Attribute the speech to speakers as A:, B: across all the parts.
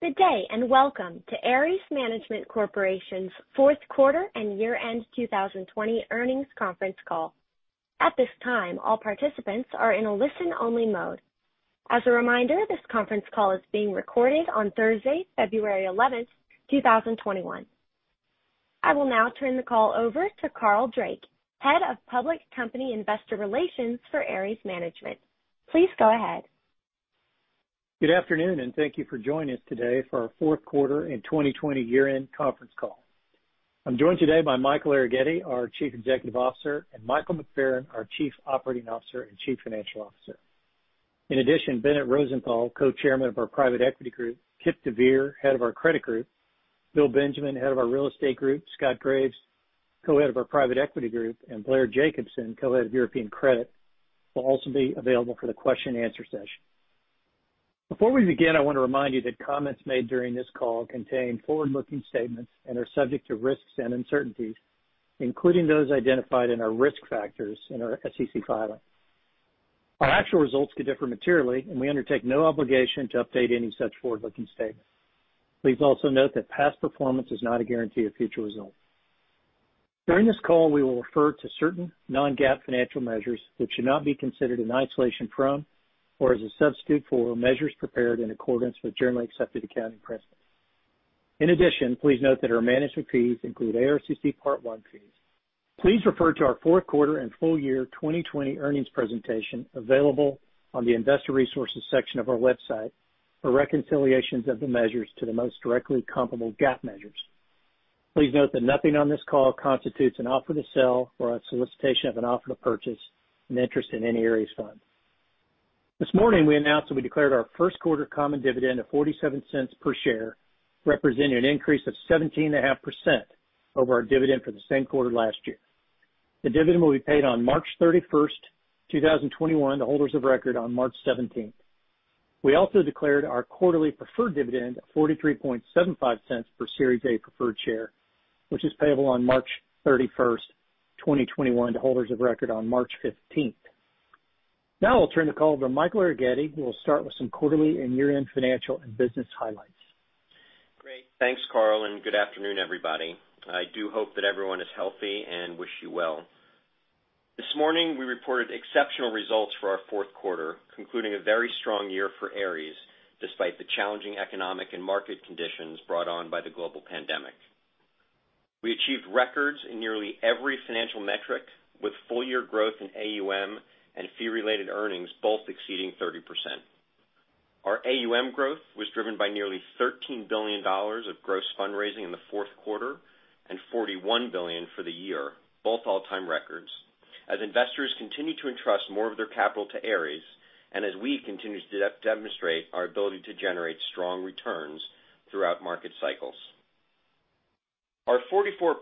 A: Good day, welcome to Ares Management Corporation's fourth quarter and year-end 2020 earnings conference call. At this time, all participants are in a listen-only mode. As a reminder, this conference call is being recorded on Thursday, February 11th, 2021. I will now turn the call over to Carl Drake, Head of Public Company Investor Relations for Ares Management. Please go ahead.
B: Good afternoon, and thank you for joining us today for our fourth quarter and 2020 year-end conference call. I'm joined today by Michael Arougheti, our Chief Executive Officer, and Michael McFerran, our Chief Operating Officer and Chief Financial Officer. In addition, Bennett Rosenthal, Co-Chairman of our Private Equity Group, Kipp deVeer, Head of our Credit Group, Bill Benjamin, Head of our Real Estate Group, Scott Graves, Co-Head of our Private Equity Group, and Blair Jacobson, Co-Head of European Credit, will also be available for the question and answer session. Before we begin, I want to remind you that comments made during this call contain forward-looking statements and are subject to risks and uncertainties, including those identified in our risk factors in our SEC filing. Our actual results could differ materially, and we undertake no obligation to update any such forward-looking statements. Please also note that past performance is not a guarantee of future results. During this call, we will refer to certain non-GAAP financial measures, which should not be considered in isolation from or as a substitute for measures prepared in accordance with generally accepted accounting principles. In addition, please note that our management fees include ARCC Part I Fees. Please refer to our fourth quarter and full year 2020 earnings presentation available on the investor resources section of our website for reconciliations of the measures to the most directly comparable GAAP measures. Please note that nothing on this call constitutes an offer to sell or a solicitation of an offer to purchase an interest in any Ares fund. This morning, we announced that we declared our first quarter common dividend of $0.47 per share, representing an increase of 17.5% over our dividend for the same quarter last year. The dividend will be paid on March 31st, 2021, to holders of record on March 17th. We also declared our quarterly preferred dividend of $0.4375 per Series A Preferred Share, which is payable on March 31st, 2021, to holders of record on March 15th. Now I'll turn the call over to Michael Arougheti, who will start with some quarterly and year-end financial and business highlights.
C: Great. Thanks, Carl. Good afternoon, everybody. I do hope that everyone is healthy and wish you well. This morning, we reported exceptional results for our fourth quarter, concluding a very strong year for Ares, despite the challenging economic and market conditions brought on by the global pandemic. We achieved records in nearly every financial metric, with full-year growth in AUM and fee-related earnings both exceeding 30%. Our AUM growth was driven by nearly $13 billion of gross fundraising in the fourth quarter and $41 billion for the year, both all-time records, as investors continue to entrust more of their capital to Ares and as we continue to demonstrate our ability to generate strong returns throughout market cycles. Our 44%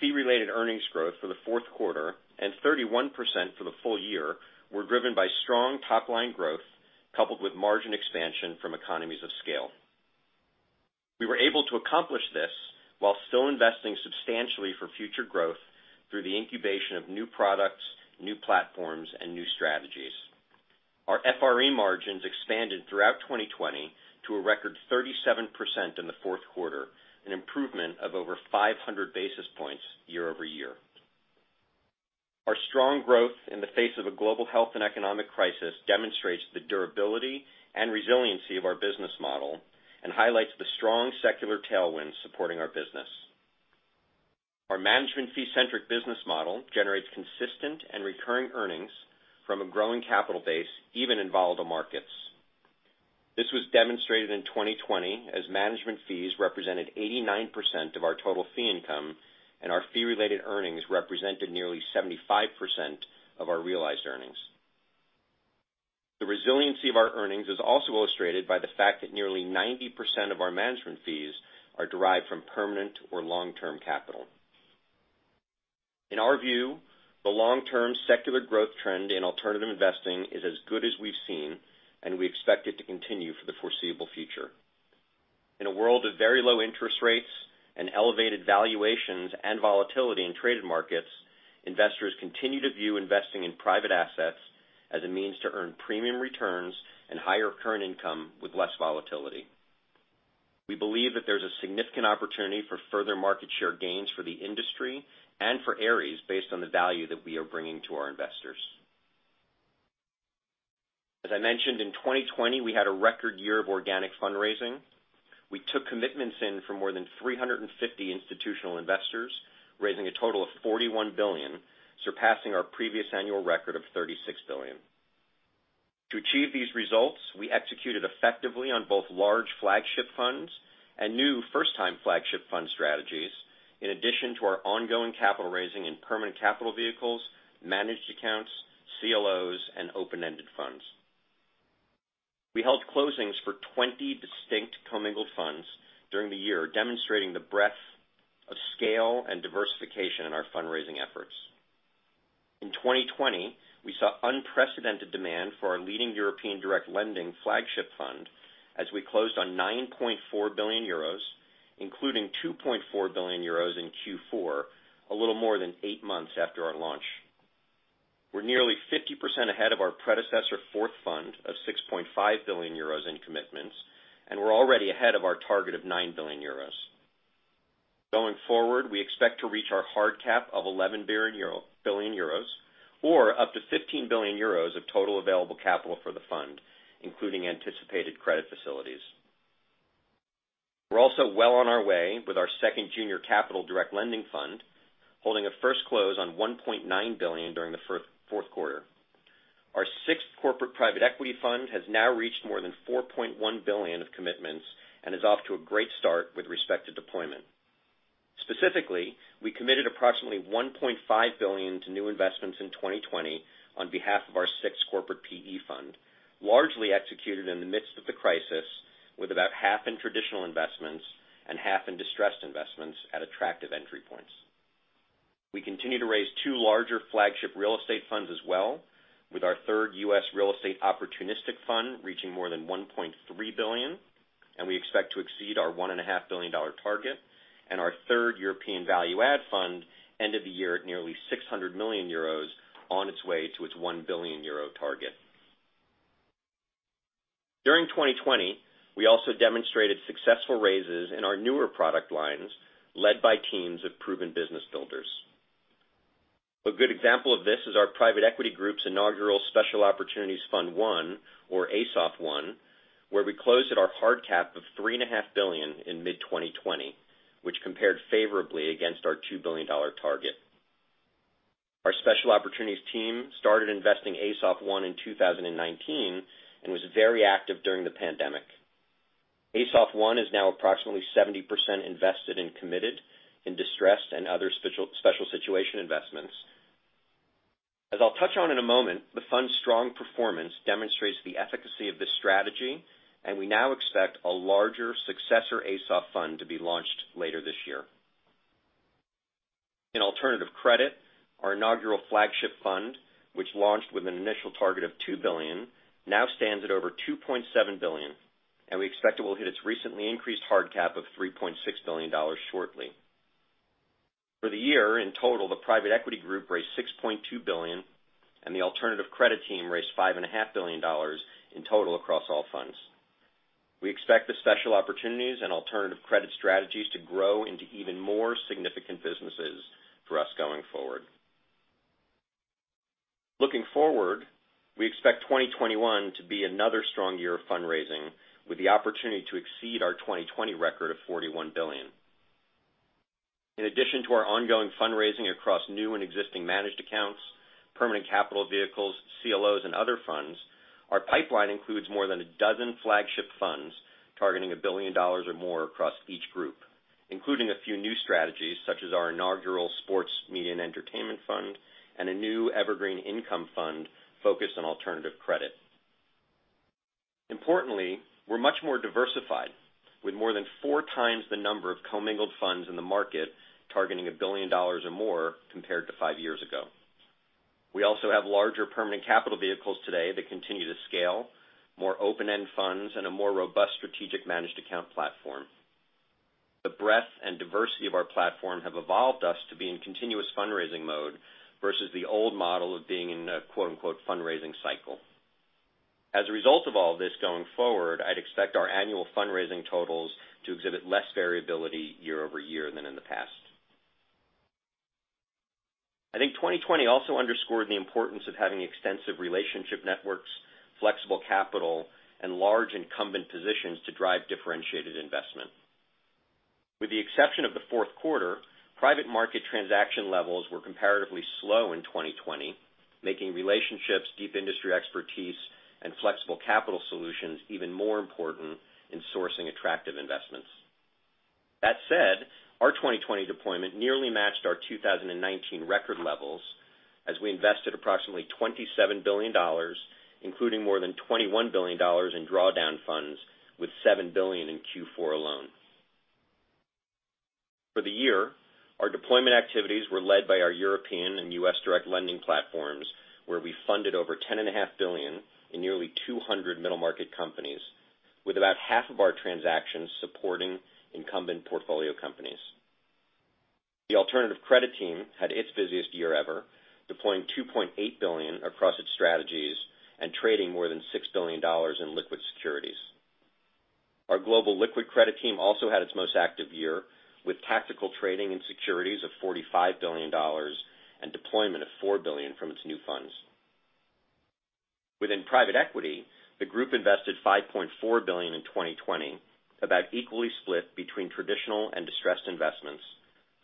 C: fee-related earnings growth for the fourth quarter and 31% for the full year were driven by strong top-line growth, coupled with margin expansion from economies of scale. We were able to accomplish this while still investing substantially for future growth through the incubation of new products, new platforms, and new strategies. Our FRE margins expanded throughout 2020 to a record 37% in the fourth quarter, an improvement of over 500 basis points year-over-year. Our strong growth in the face of a global health and economic crisis demonstrates the durability and resiliency of our business model and highlights the strong secular tailwinds supporting our business. Our management fee-centric business model generates consistent and recurring earnings from a growing capital base, even in volatile markets. This was demonstrated in 2020 as management fees represented 89% of our total fee income, and our fee-related earnings represented nearly 75% of our realized earnings. The resiliency of our earnings is also illustrated by the fact that nearly 90% of our management fees are derived from permanent or long-term capital. In our view, the long-term secular growth trend in alternative investing is as good as we've seen, and we expect it to continue for the foreseeable future. In a world of very low interest rates and elevated valuations and volatility in traded markets, investors continue to view investing in private assets as a means to earn premium returns and higher current income with less volatility. We believe that there's a significant opportunity for further market share gains for the industry and for Ares based on the value that we are bringing to our investors. As I mentioned, in 2020, we had a record year of organic fundraising. We took commitments in for more than 350 institutional investors, raising a total of $41 billion, surpassing our previous annual record of $36 billion. To achieve these results, we executed effectively on both large flagship funds and new first-time flagship fund strategies, in addition to our ongoing capital raising in permanent capital vehicles, managed accounts, CLOs, and open-ended funds. We held closings for 20 distinct commingled funds during the year, demonstrating the breadth of scale and diversification in our fundraising efforts. In 2020, we saw unprecedented demand for our leading European direct lending flagship fund as we closed on 9.4 billion euros, including 2.4 billion euros in Q4, a little more than eight months after our launch. We are nearly 50% ahead of our predecessor fourth fund of 6.5 billion euros in commitments, and we are already ahead of our target of 9 billion euros. Going forward, we expect to reach our hard cap of 11 billion euros, or up to 15 billion euros of total available capital for the fund, including anticipated credit facilities. We're also well on our way with our second junior capital direct lending fund, holding a first close on $1.9 billion during the fourth quarter. Our sixth corporate private equity fund has now reached more than $4.1 billion of commitments and is off to a great start with respect to deployment. Specifically, we committed approximately $1.5 billion to new investments in 2020 on behalf of our sixth corporate PE fund, largely executed in the midst of the crisis with about half in traditional investments and half in distressed investments at attractive entry points. We continue to raise two larger flagship real estate funds as well, with our third US real estate opportunistic fund reaching more than $1.3 billion, and we expect to exceed our $1.5 billion target, and our third European value add fund ended the year at nearly 600 million euros on its way to its 1 billion euro target. During 2020, we also demonstrated successful raises in our newer product lines, led by teams of proven business builders. A good example of this is our Private Equity Group's inaugural Special Opportunities Fund I, or ASOF I, where we closed at our hard cap of $3.5 billion in mid-2020, which compared favorably against our $2 billion target. Our special opportunities team started investing ASOF I in 2019 and was very active during the pandemic. ASOF I is now approximately 70% invested and committed in distressed and other special situation investments. As I'll touch on in a moment, the fund's strong performance demonstrates the efficacy of this strategy, and we now expect a larger successor ASOF fund to be launched later this year. In alternative credit, our inaugural flagship fund, which launched with an initial target of $2 billion, now stands at over $2.7 billion, and we expect it will hit its recently increased hard cap of $3.6 billion shortly. For the year, in total, the Private Equity Group raised $6.2 billion, and the alternative credit team raised $5.5 billion in total across all funds. We expect the special opportunities and alternative credit strategies to grow into even more significant businesses for us going forward. Looking forward, we expect 2021 to be another strong year of fundraising, with the opportunity to exceed our 2020 record of $41 billion. In addition to our ongoing fundraising across new and existing managed accounts, permanent capital vehicles, CLOs and other funds, our pipeline includes more than a dozen flagship funds targeting $1 billion or more across each group, including a few new strategies such as our inaugural sports media and entertainment fund, and a new evergreen income fund focused on alternative credit. Importantly, we're much more diversified, with more than four times the number of commingled funds in the market targeting $1 billion or more compared to five years ago. We also have larger permanent capital vehicles today that continue to scale, more open-end funds, and a more robust strategic managed account platform. The breadth and diversity of our platform have evolved us to be in continuous fundraising mode versus the old model of being in a "fundraising cycle." As a result of all this going forward, I'd expect our annual fundraising totals to exhibit less variability year-over-year than in the past. I think 2020 also underscored the importance of having extensive relationship networks, flexible capital, and large incumbent positions to drive differentiated investment. With the exception of the fourth quarter, private market transaction levels were comparatively slow in 2020, making relationships, deep industry expertise, and flexible capital solutions even more important in sourcing attractive investments. That said, our 2020 deployment nearly matched our 2019 record levels as we invested approximately $27 billion, including more than $21 billion in drawdown funds, with $7 billion in Q4 alone. For the year, our deployment activities were led by our European and U.S. direct lending platforms, where we funded over $10.5 billion in nearly 200 middle market companies, with about half of our transactions supporting incumbent portfolio companies. The alternative credit team had its busiest year ever, deploying $2.8 billion across its strategies and trading more than $6 billion in liquid securities. Our global liquid credit team also had its most active year, with tactical trading and securities of $45 billion and deployment of $4 billion from its new funds. Within private equity, the group invested $5.4 billion in 2020, about equally split between traditional and distressed investments,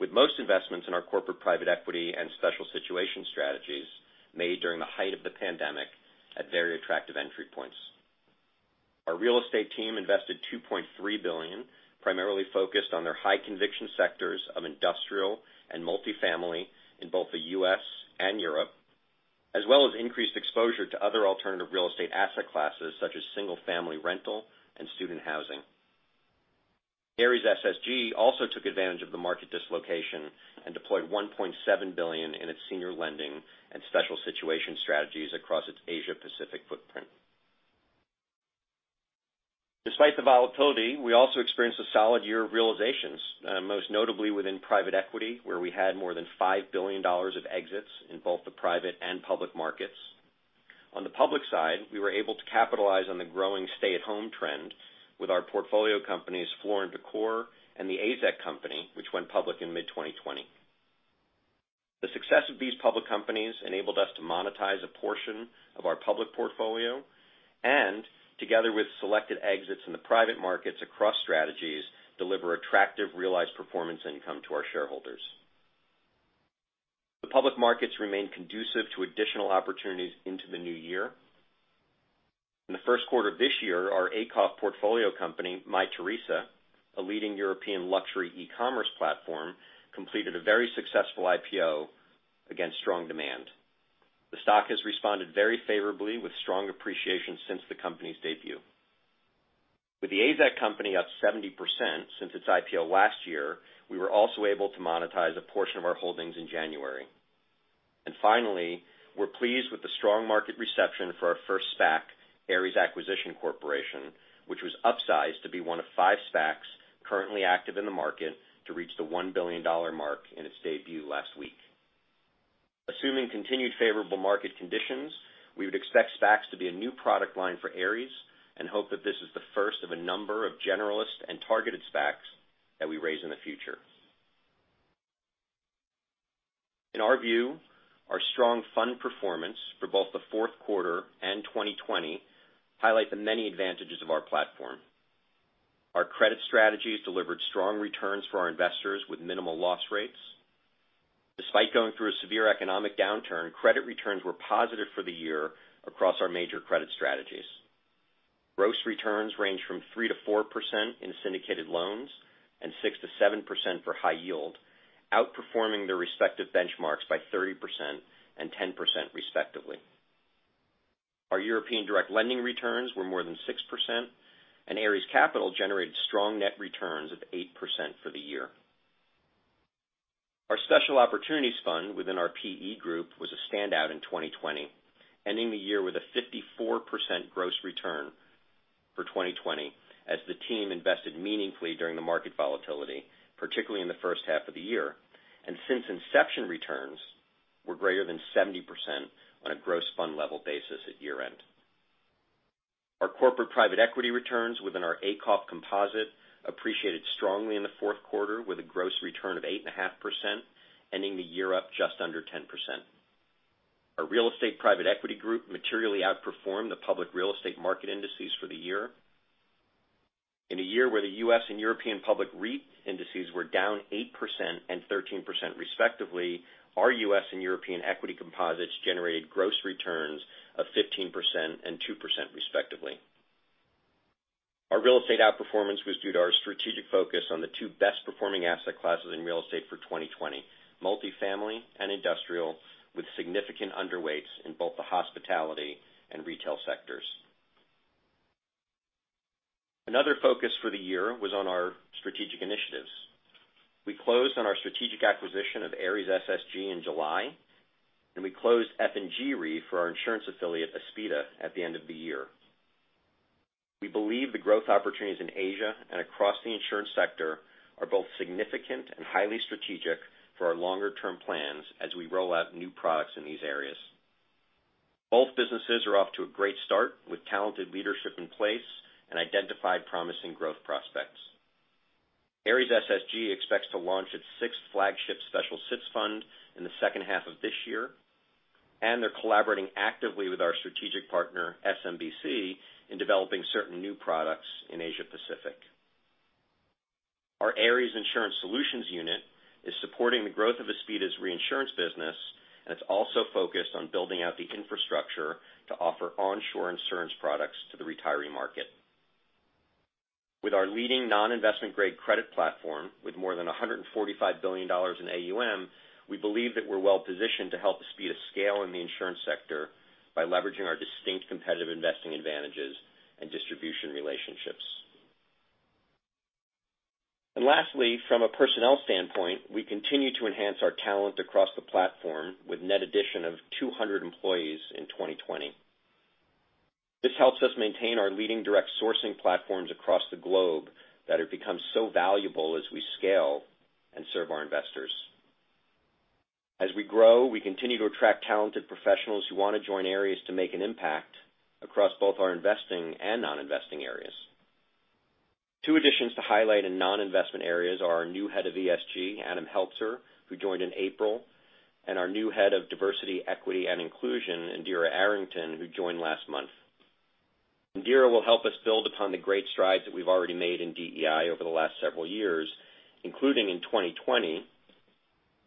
C: with most investments in our corporate private equity and special situation strategies made during the height of the pandemic at very attractive entry points. Our real estate team invested $2.3 billion, primarily focused on their high conviction sectors of industrial and multifamily in both the U.S. and Europe, as well as increased exposure to other alternative real estate asset classes such as single family rental and student housing. Ares SSG also took advantage of the market dislocation and deployed $1.7 billion in its senior lending and special situation strategies across its Asia Pacific footprint. Despite the volatility, we also experienced a solid year of realizations, most notably within private equity, where we had more than $5 billion of exits in both the private and public markets. On the public side, we were able to capitalize on the growing stay-at-home trend with our portfolio companies, Floor & Decor and The AZEK Company, which went public in mid-2020. The success of these public companies enabled us to monetize a portion of our public portfolio and, together with selected exits in the private markets across strategies, deliver attractive realized performance income to our shareholders. The public markets remain conducive to additional opportunities into the new year. In the first quarter of this year, our ACOF portfolio company, Mytheresa, a leading European luxury e-commerce platform, completed a very successful IPO against strong demand. The stock has responded very favorably with strong appreciation since the company's debut. With The AZEK Company up 70% since its IPO last year, we were also able to monetize a portion of our holdings in January. Finally, we're pleased with the strong market reception for our first SPAC, Ares Acquisition Corporation, which was upsized to be one of five SPACs currently active in the market to reach the $1 billion mark in its debut last week. Assuming continued favorable market conditions, we would expect SPACs to be a new product line for Ares and hope that this is the first of a number of generalist and targeted SPACs that we raise in the future. In our view, our strong fund performance for both the fourth quarter and 2020 highlight the many advantages of our platform. Our credit strategies delivered strong returns for our investors with minimal loss rates. Despite going through a severe economic downturn, credit returns were positive for the year across our major credit strategies. Gross returns range from 3%-4% in syndicated loans and 6%-7% for high yield, outperforming their respective benchmarks by 30% and 10% respectively. Our European direct lending returns were more than 6%, and Ares Capital generated strong net returns of 8% for the year. Our special opportunities fund within our PE group was a standout in 2020, ending the year with a 54% gross return for 2020 as the team invested meaningfully during the market volatility, particularly in the first half of the year. Since inception, returns were greater than 70% on a gross fund level basis at year-end. Our corporate private equity returns within our ACOF composite appreciated strongly in the fourth quarter with a gross return of 8.5%, ending the year up just under 10%. Our real estate Private Equity Group materially outperformed the public real estate market indices for the year. In a year where the U.S. and European public REIT indices were down 8% and 13% respectively, our U.S. and European equity composites generated gross returns of 15% and 2% respectively. Our real estate outperformance was due to our strategic focus on the two best performing asset classes in real estate for 2020, multifamily and industrial, with significant underweights in both the hospitality and retail sectors. Another focus for the year was on our strategic initiatives. We closed on our strategic acquisition of Ares SSG in July, and we closed F&G Re for our insurance affiliate, Aspida, at the end of the year. We believe the growth opportunities in Asia and across the insurance sector are both significant and highly strategic for our longer-term plans as we roll out new products in these areas. Both businesses are off to a great start with talented leadership in place and identified promising growth prospects. Ares SSG expects to launch its sixth flagship Special Sits fund in the second half of this year. They're collaborating actively with our strategic partner, SMBC, in developing certain new products in Asia Pacific. Our Ares Insurance Solutions unit is supporting the growth of Aspida's reinsurance business. It's also focused on building out the infrastructure to offer onshore insurance products to the retiree market. With our leading non-investment grade credit platform, with more than $145 billion in AUM, we believe that we're well positioned to help Aspida scale in the insurance sector by leveraging our distinct competitive investing advantages and distribution relationships. Lastly, from a personnel standpoint, we continue to enhance our talent across the platform with net addition of 200 employees in 2020. This helps us maintain our leading direct sourcing platforms across the globe that have become so valuable as we scale and serve our investors. As we grow, we continue to attract talented professionals who want to join Ares to make an impact across both our investing and non-investing areas. Two additions to highlight in non-investment areas are our new head of ESG, Adam Heltzer, who joined in April, and our new head of diversity, equity, and inclusion, Indhira Arrington, who joined last month. Indhira will help us build upon the great strides that we've already made in DEI over the last several years, including in 2020,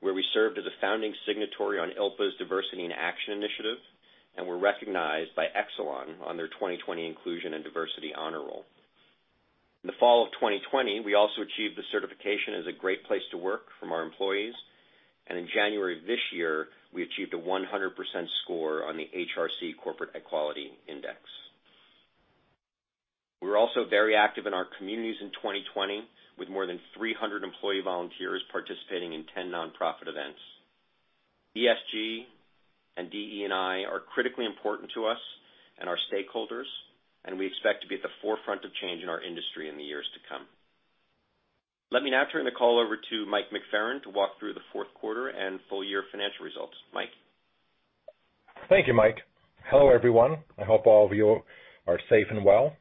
C: where we served as a founding signatory on ILPA's Diversity in Action initiative and were recognized by Exelon on their 2020 Diversity & Inclusion Honor Roll. In the fall of 2020, we also achieved the certification as a great place to work from our employees, and in January of this year, we achieved a 100% score on the HRC Corporate Equality Index. We were also very active in our communities in 2020, with more than 300 employee volunteers participating in 10 nonprofit events. ESG and DE&I are critically important to us and our stakeholders, and we expect to be at the forefront of change in our industry in the years to come. Let me now turn the call over to Michael McFerran to walk through the fourth quarter and full year financial results. Michael?
D: Thank you, Michael. Hello, everyone. I hope all of you are safe and well.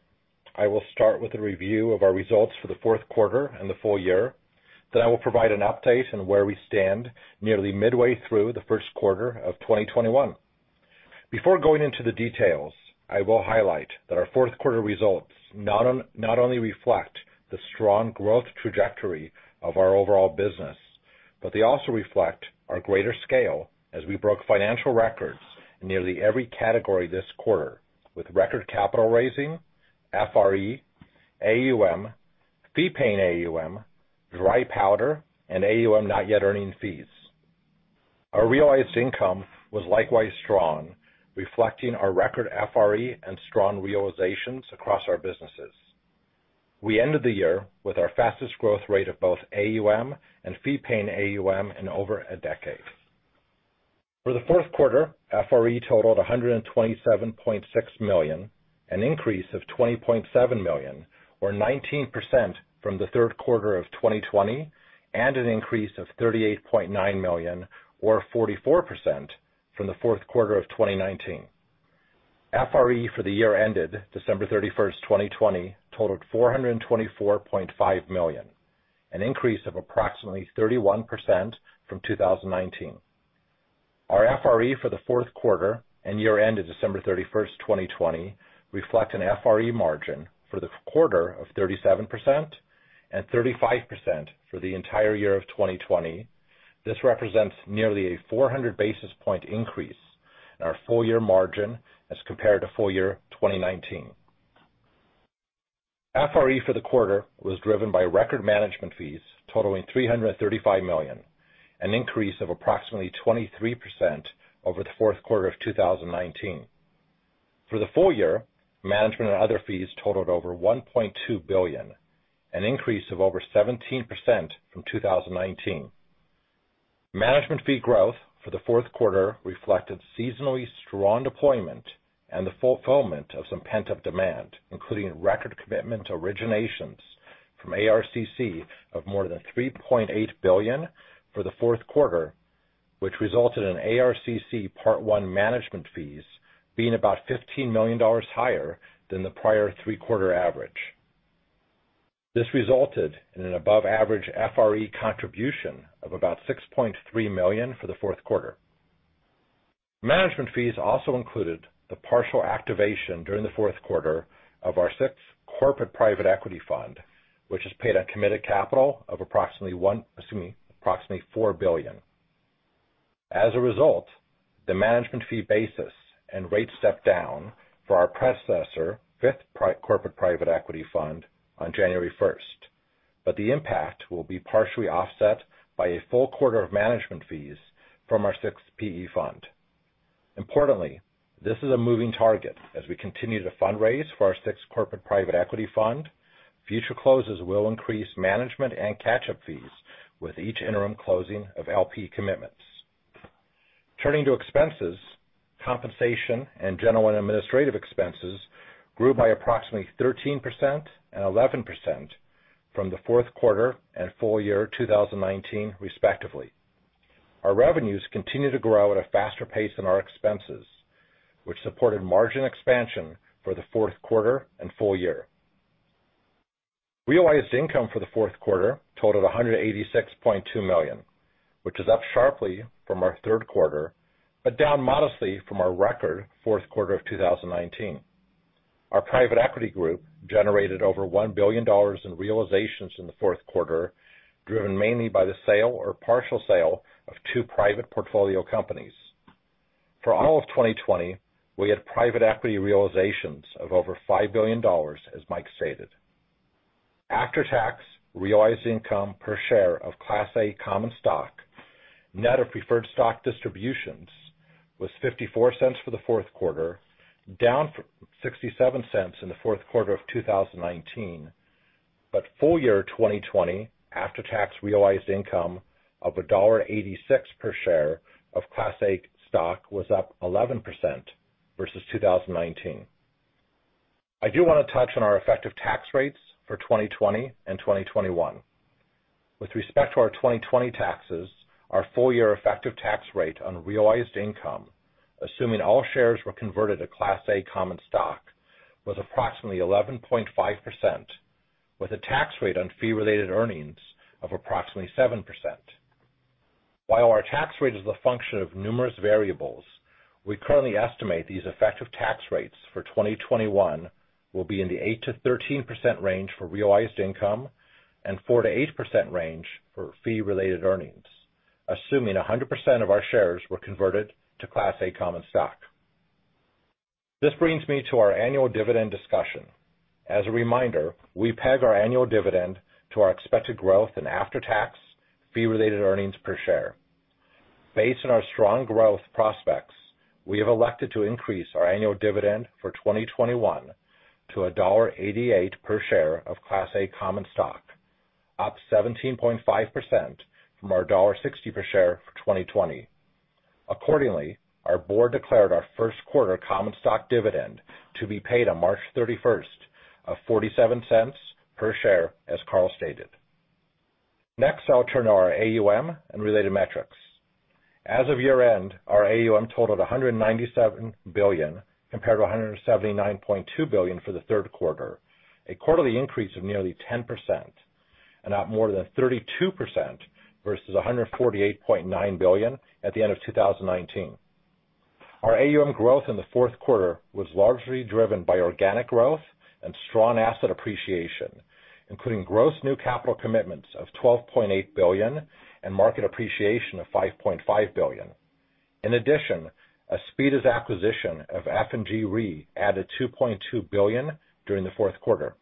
D: I will start with a review of our results for the fourth quarter and the full year. I will provide an update on where we stand nearly midway through the first quarter of 2021. Before going into the details, I will highlight that our fourth quarter results not only reflect the strong growth trajectory of our overall business, but they also reflect our greater scale as we broke financial records in nearly every category this quarter, with record capital raising, FRE, AUM, Fee-Paying AUM, dry powder, and AUM not yet earning fees. Our realized income was likewise strong, reflecting our record FRE and strong realizations across our businesses. We ended the year with our fastest growth rate of both AUM and Fee-Paying AUM in over a decade. For the fourth quarter, FRE totaled $127.6 million, an increase of $20.7 million, or 19% from the third quarter of 2020, and an increase of $38.9 million, or 44%, from the fourth quarter of 2019. FRE for the year ended December 31st, 2020 totaled $424.5 million, an increase of approximately 31% from 2019. Our FRE for the fourth quarter and year ended December 31st, 2020 reflect an FRE margin for the quarter of 37% and 35% for the entire year of 2020. This represents nearly a 400 basis point increase in our full-year margin as compared to full year 2019. FRE for the quarter was driven by record management fees totaling $335 million, an increase of approximately 23% over the fourth quarter of 2019. For the full year, management and other fees totaled over $1.2 billion, an increase of over 17% from 2019. Management fee growth for the fourth quarter reflected seasonally strong deployment and the fulfillment of some pent-up demand, including record commitment originations from Ares Capital Corporation of more than $3.8 billion for the fourth quarter, which resulted in ARCC Part I Fees being about $15 million higher than the prior three-quarter average. This resulted in an above-average FRE contribution of about $6.3 million for the fourth quarter. Management fees also included the partial activation during the fourth quarter of our sixth corporate private equity fund, which is paid on committed capital of approximately $4 billion. As a result, the management fee basis and rate stepped down for our predecessor, Fifth Corporate Private Equity Fund, on January 1st. The impact will be partially offset by a full quarter of management fees from our sixth PE fund. Importantly, this is a moving target as we continue to fundraise for our sixth corporate private equity fund. Future closes will increase management and catch-up fees with each interim closing of LP commitments. Turning to expenses, compensation and general and administrative expenses grew by approximately 13% and 11% from the fourth quarter and full year 2019, respectively. Our revenues continue to grow at a faster pace than our expenses, which supported margin expansion for the fourth quarter and full year. Realized income for the fourth quarter totaled $186.2 million, which is up sharply from our third quarter, but down modestly from our record fourth quarter of 2019. Our Private Equity Group generated over $1 billion in realizations in the fourth quarter, driven mainly by the sale or partial sale of two private portfolio companies. For all of 2020, we had private equity realizations of over $5 billion, as Michael stated. After-tax realized income per share of Class A common stock net of preferred stock distributions was $0.54 for the fourth quarter, down from $0.67 in the fourth quarter of 2019. Full-year 2020 after-tax realized income of $1.86 per share of Class A stock was up 11% versus 2019. I do want to touch on our effective tax rates for 2020 and 2021. With respect to our 2020 taxes, our full-year effective tax rate on realized income, assuming all shares were converted to Class A common stock, was approximately 11.5%, with a tax rate on fee-related earnings of approximately 7%. While our tax rate is the function of numerous variables, we currently estimate these effective tax rates for 2021 will be in the 8%-13% range for realized income and 4%-8% range for fee-related earnings, assuming 100% of our shares were converted to Class A common stock. This brings me to our annual dividend discussion. As a reminder, we peg our annual dividend to our expected growth in after-tax fee-related earnings per share. Based on our strong growth prospects, we have elected to increase our annual dividend for 2021 to $1.88 per share of Class A common stock, up 17.5% from our $1.60 per share for 2020. Accordingly, our Board declared our first quarter common stock dividend to be paid on March 31st of $0.47 per share, as Carl stated. Next, I'll turn to our AUM and related metrics. As of year-end, our AUM totaled $197 billion, compared to $179.2 billion for the third quarter, a quarterly increase of nearly 10% and up more than 32% versus $148.9 billion at the end of 2019. Our AUM growth in the fourth quarter was largely driven by organic growth and strong asset appreciation, including gross new capital commitments of $12.8 billion and market appreciation of $5.5 billion. In addition, Aspida's acquisition of F&G Re added $2.2 billion during the fourth quarter.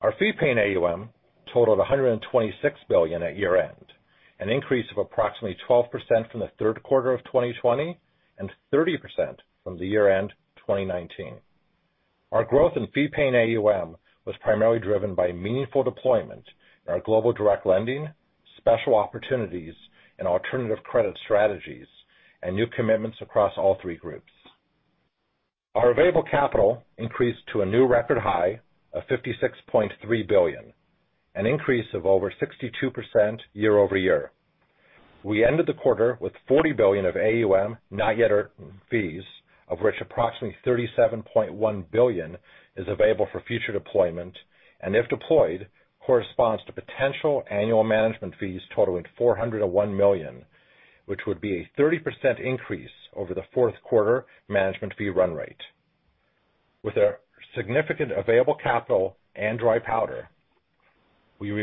D: Our Fee-Paying AUM totaled $126 billion at year-end, an increase of approximately 12% from the third quarter of 2020, and 30% from the year-end 2019. Our growth in Fee-Paying AUM was primarily driven by meaningful deployment in our global direct lending, special opportunities, and alternative credit strategies, and new commitments across all three groups. Our available capital increased to a new record high of $56.3 billion, an increase of over 62% year-over-year. We ended the quarter with $40 billion of AUM, not yet earned fees, of which approximately $37.1 billion is available for future deployment, and if deployed, corresponds to potential annual management fees totaling $401 million, which would be a 30% increase over the fourth quarter management fee run rate. Last,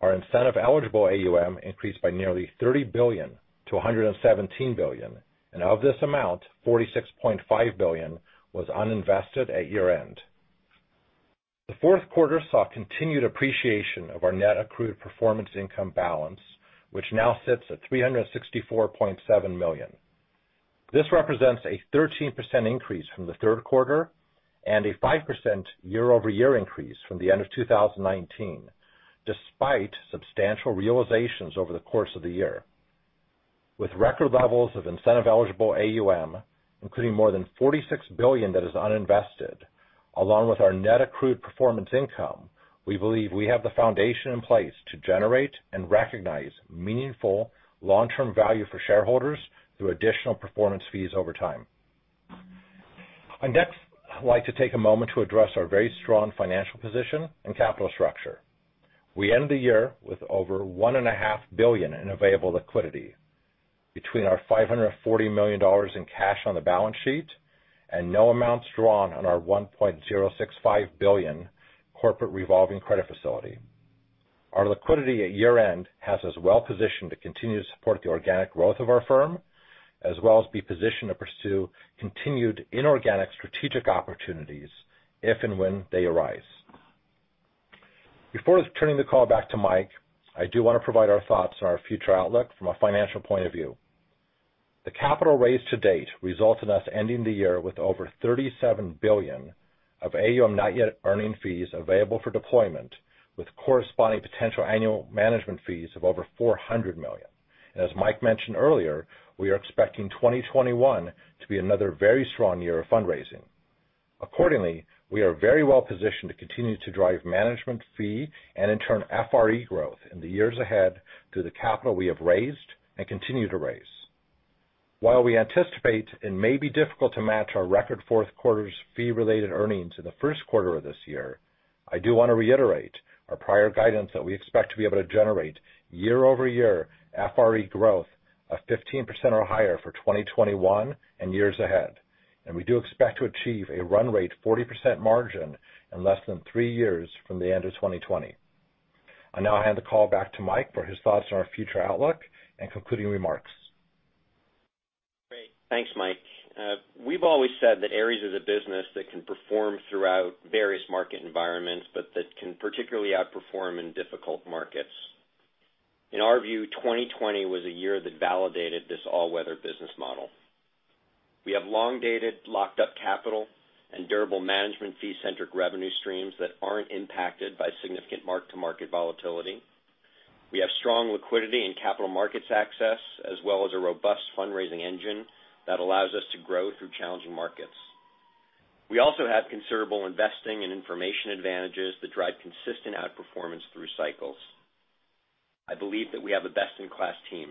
D: our incentive-eligible AUM increased by nearly $30 billion-$117 billion, and of this amount, $46.5 billion was uninvested at year-end. The fourth quarter saw continued appreciation of our net accrued performance income balance, which now sits at $364.7 million. This represents a 13% increase from the third quarter and a 5% year-over-year increase from the end of 2019, despite substantial realizations over the course of the year. With record levels of incentive-eligible AUM, including more than $46 billion that is uninvested, along with our net accrued performance income, we believe we have the foundation in place to generate and recognize meaningful long-term value for shareholders through additional performance fees over time. Next, I'd like to take a moment to address our very strong financial position and capital structure. We end the year with over $1.5 billion in available liquidity. Between our $540 million in cash on the balance sheet and no amounts drawn on our $1.065 billion corporate revolving credit facility. Our liquidity at year end has us well positioned to continue to support the organic growth of our firm, as well as be positioned to pursue continued inorganic strategic opportunities if and when they arise. Before turning the call back to Michael, I do want to provide our thoughts on our future outlook from a financial point of view. The capital raised to date resulted us ending the year with over $37 billion of AUM not yet earning fees available for deployment, with corresponding potential annual management fees of over $400 million. As Michael mentioned earlier, we are expecting 2021 to be another very strong year of fundraising. Accordingly, we are very well positioned to continue to drive management fee and in turn FRE growth in the years ahead through the capital we have raised and continue to raise. While we anticipate it may be difficult to match our record fourth quarter's fee related earnings in the first quarter of this year, I do want to reiterate our prior guidance that we expect to be able to generate year-over-year FRE growth of 15% or higher for 2021 and years ahead, and we do expect to achieve a run rate 40% margin in less than three years from the end of 2020. I now hand the call back to Mike for his thoughts on our future outlook and concluding remarks.
C: Great. Thanks, Mike. We've always said that Ares is a business that can perform throughout various market environments, but that can particularly outperform in difficult markets. In our view, 2020 was a year that validated this all-weather business model. We have long-dated, locked up capital and durable management fee centric revenue streams that aren't impacted by significant mark to market volatility. We have strong liquidity and capital markets access, as well as a robust fundraising engine that allows us to grow through challenging markets. We also have considerable investing and information advantages that drive consistent outperformance through cycles. I believe that we have a best in class team.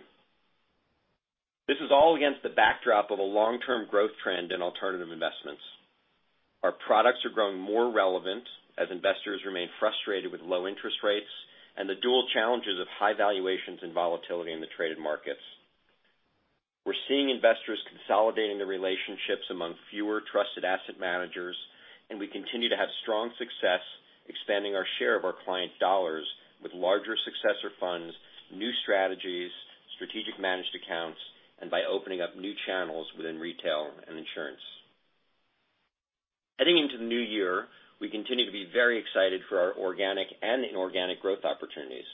C: This is all against the backdrop of a long-term growth trend in alternative investments. Our products are growing more relevant as investors remain frustrated with low interest rates and the dual challenges of high valuations and volatility in the traded markets. We're seeing investors consolidating the relationships among fewer trusted asset managers, and we continue to have strong success expanding our share of our client dollars with larger successor funds, new strategies, strategic managed accounts, and by opening up new channels within retail and insurance. Heading into the new year, we continue to be very excited for our organic and inorganic growth opportunities.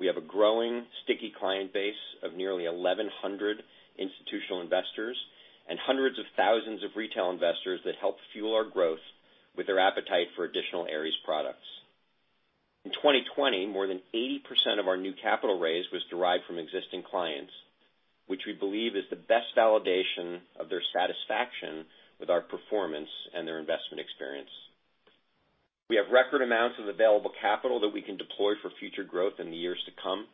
C: We have a growing sticky client base of nearly 1,100 institutional investors and hundreds of thousands of retail investors that help fuel our growth with their appetite for additional Ares products. In 2020, more than 80% of our new capital raise was derived from existing clients, which we believe is the best validation of their satisfaction with our performance and their investment experience. We have record amounts of available capital that we can deploy for future growth in the years to come.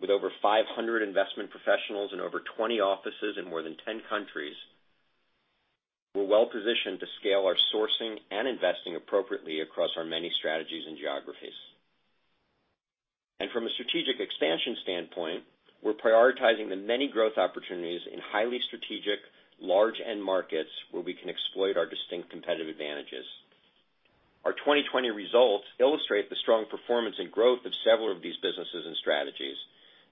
C: With over 500 investment professionals in over 20 offices in more than 10 countries, we're well positioned to scale our sourcing and investing appropriately across our many strategies and geographies. From a strategic expansion standpoint, we're prioritizing the many growth opportunities in highly strategic, large end markets where we can exploit our distinct competitive advantages. Our 2020 results illustrate the strong performance and growth of several of these businesses and strategies,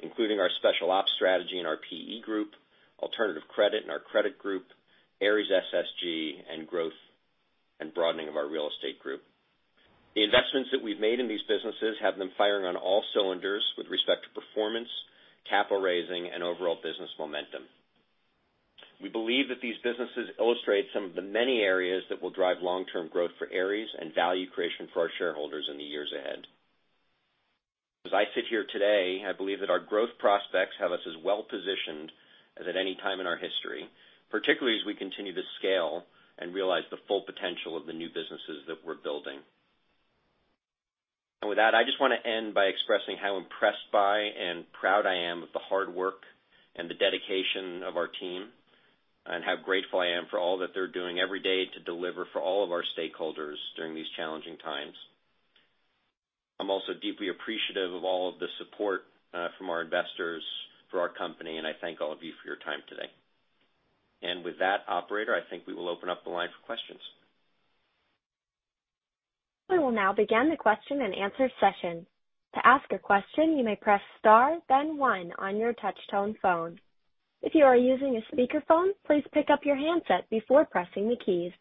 C: including our Special Ops strategy and our PE Group, alternative credit and our Credit Group, Ares SSG, and growth and broadening of our Real Estate Group. The investments that we've made in these businesses have them firing on all cylinders with respect to performance, capital raising, and overall business momentum. We believe that these businesses illustrate some of the many areas that will drive long-term growth for Ares and value creation for our shareholders in the years ahead. As I sit here today, I believe that our growth prospects have us as well positioned as at any time in our history, particularly as we continue to scale and realize the full potential of the new businesses that we're building. With that, I just want to end by expressing how impressed by and proud I am of the hard work and the dedication of our team, and how grateful I am for all that they're doing every day to deliver for all of our stakeholders during these challenging times. I'm also deeply appreciative of all of the support from our investors for our company, and I thank all of you for your time today. With that, operator, I think we will open up the line for questions.
A: We will now begin the question and answer session. To ask a question, you may press star then one on your touchtone phone. If you are using a speakerphone, please pick up your handset before pressing the keys.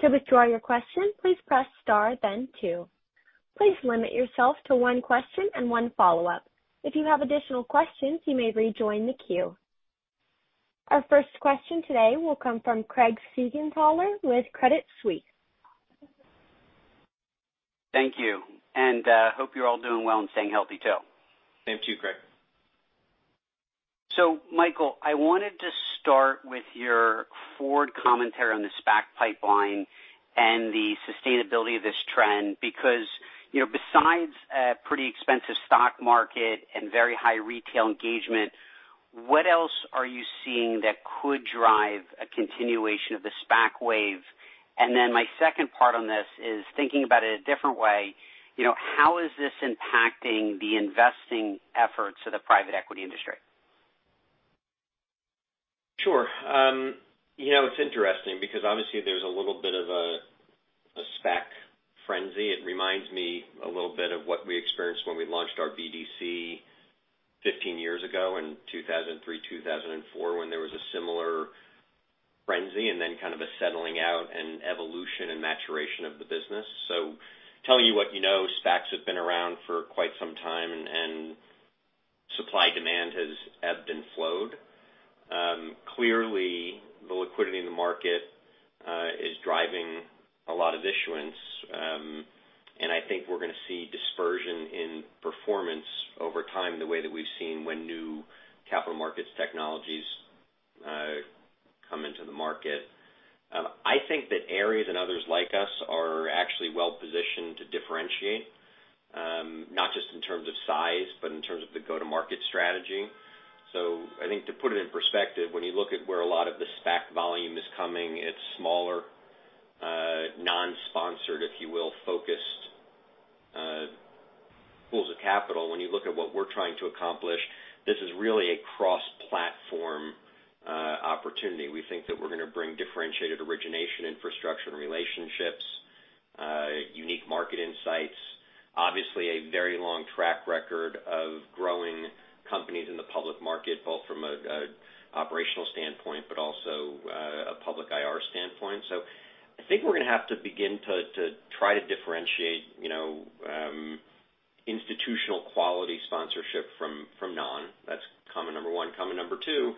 A: To return your question, please press star then two. Please limit yourself to one question and one follow-up. If you have additional questions, you may rejoin the queue. Our first question today will come from Craig Siegenthaler with Credit Suisse.
E: Thank you, and hope you're all doing well and staying healthy too.
C: Same to you, Craig.
E: Michael, I wanted to start with your forward commentary on the SPAC pipeline and the sustainability of this trend because, besides a pretty expensive stock market and very high retail engagement, what else are you seeing that could drive a continuation of the SPAC wave? My second part on this is thinking about it a different way. How is this impacting the investing efforts of the private equity industry?
C: Sure. It's interesting because obviously there's a little bit of a SPAC frenzy. It reminds me a little bit of what we experienced when we launched our BDC 15 years ago in 2003, 2004, when there was a similar frenzy, and then kind of a settling out and evolution and maturation of the business. Telling you what you know, SPACs have been around for quite some time, and supply-demand has ebbed and flowed. Clearly, the liquidity in the market is driving a lot of issuance. I think we're going to see dispersion in performance over time, the way that we've seen when new capital markets technologies come into the market. I think that Ares and others like us are actually well positioned to differentiate, not just in terms of size, but in terms of the go-to-market strategy. I think to put it in perspective, when you look at where a lot of the SPAC volume is coming, it's smaller, non-sponsored, if you will, focused pools of capital. When you look at what we're trying to accomplish, this is really a cross-platform opportunity. We think that we're going to bring differentiated origination infrastructure and relationships, unique market insights. Obviously, a very long track record of growing companies in the public market, both from an operational standpoint, but also a public IR standpoint. I think we're going to have to begin to try to differentiate institutional quality sponsorship from non. That's comment number 1. Comment number 2,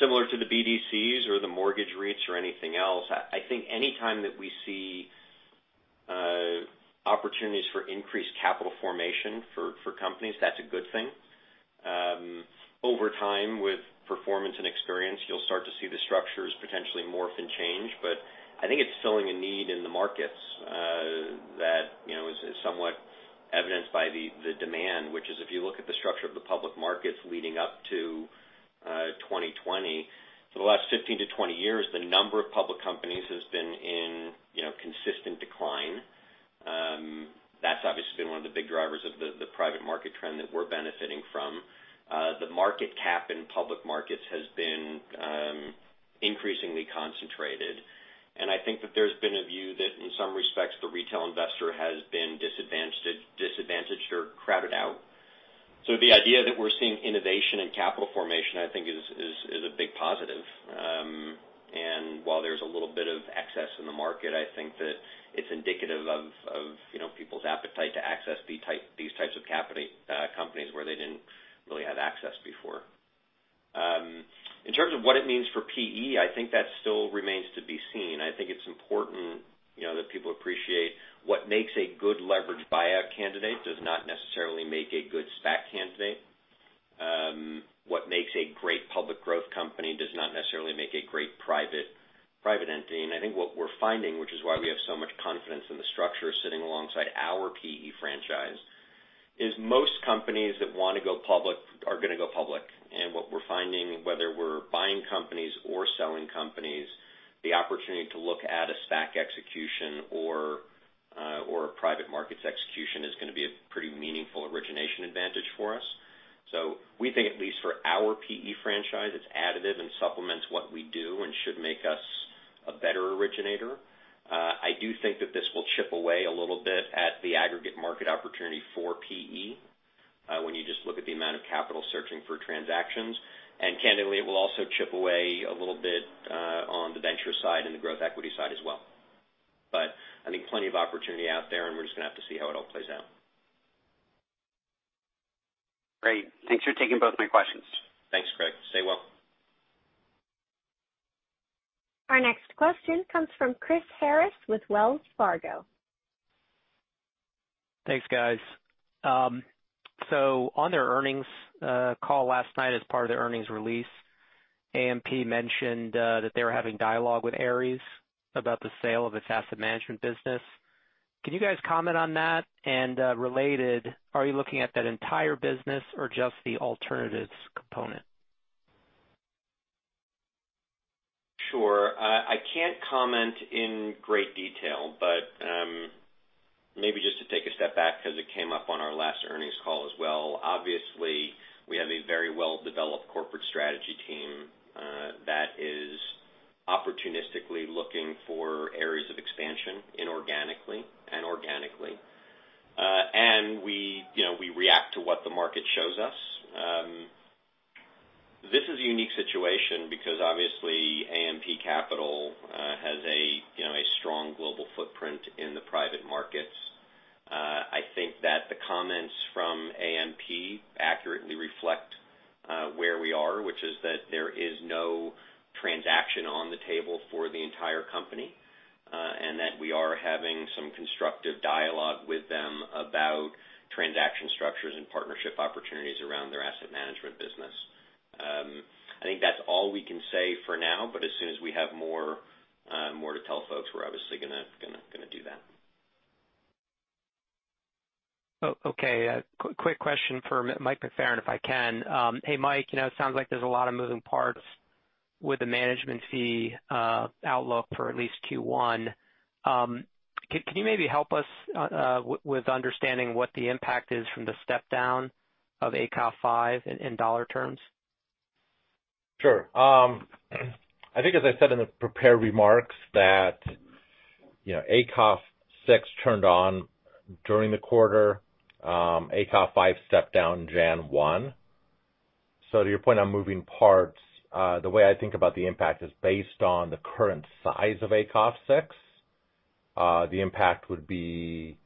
C: similar to the BDCs or the mortgage REITs or anything else, I think any time that we see opportunities for increased capital formation for companies, that's a good thing. Over time, with performance and experience, you'll start to see the structures potentially morph and change. I think it's filling a need in the markets that is somewhat evidenced by the demand, which is if you look at the structure of the public markets leading up to 2020. For the last 15-20 years, the number of public companies has been in consistent decline. That's obviously been one of the big drivers of the private market trend that we're benefiting from. The market cap in public markets has been increasingly concentrated, and I think that there's been a view that in some respects, the retail investor has been disadvantaged or crowded out. The idea that we're seeing innovation and capital formation, I think is a big positive. While there's a little bit of excess in the market, I think that it's indicative of people's appetite to access these types of companies where they didn't really have access before. In terms of what it means for PE, I think that still remains to be seen. I think it's important that people appreciate what makes a good leveraged buyout candidate does not necessarily make a good SPAC candidate. What makes a great public growth company does not necessarily make a great private entity. I think what we're finding, which is why we have so much confidence in the structure sitting alongside our PE franchise, is most companies that want to go public are going to go public. What we're finding, whether we're buying companies or selling companies, the opportunity to look at a SPAC execution or a private markets execution is going to be a pretty meaningful origination advantage for us. We think at least for our PE franchise, it's additive and supplements what we do and should make us a better originator. I do think that this will chip away a little bit at the aggregate market opportunity for PE, when you just look at the amount of capital searching for transactions. Candidly, it will also chip away a little bit on the venture side and the growth equity side as well. I think plenty of opportunity out there, and we're just going to have to see how it all plays out.
E: Great. Thanks for taking both my questions.
C: Thanks, Craig. Stay well.
A: Our next question comes from Christopher Harris with Wells Fargo.
F: Thanks, guys. On their earnings call last night as part of the earnings release, AMP mentioned that they were having dialogue with Ares about the sale of its asset management business. Can you guys comment on that? Related, are you looking at that entire business or just the alternatives component?
C: Sure. I can't comment in great detail, but maybe just to take a step back because it came up on our last earnings call as well. Obviously, we have a very well-developed corporate strategy team that is opportunistically looking for areas of expansion inorganically and organically. We react to what the market shows us. This is a unique situation because obviously AMP Capital has a strong global footprint in the private markets. I think that the comments from AMP accurately reflect where we are, which is that there is no transaction on the table for the entire company. That we are having some constructive dialogue with them about transaction structures and partnership opportunities around their asset management business. I think that's all we can say for now, but as soon as we have more to tell folks, we're obviously going to do that.
F: Okay. Quick question for Mike McFerran, if I can. Hey, Mike, it sounds like there's a lot of moving parts with the management fee outlook for at least Q1. Can you maybe help us with understanding what the impact is from the step down of ACOF V in dollar terms?
D: Sure. I think, as I said in the prepared remarks, that ACOF VI turned on during the quarter. ACOF V stepped down January one. To your point on moving parts, the way I think about the impact is based on the current size of ACOF VI. The impact would be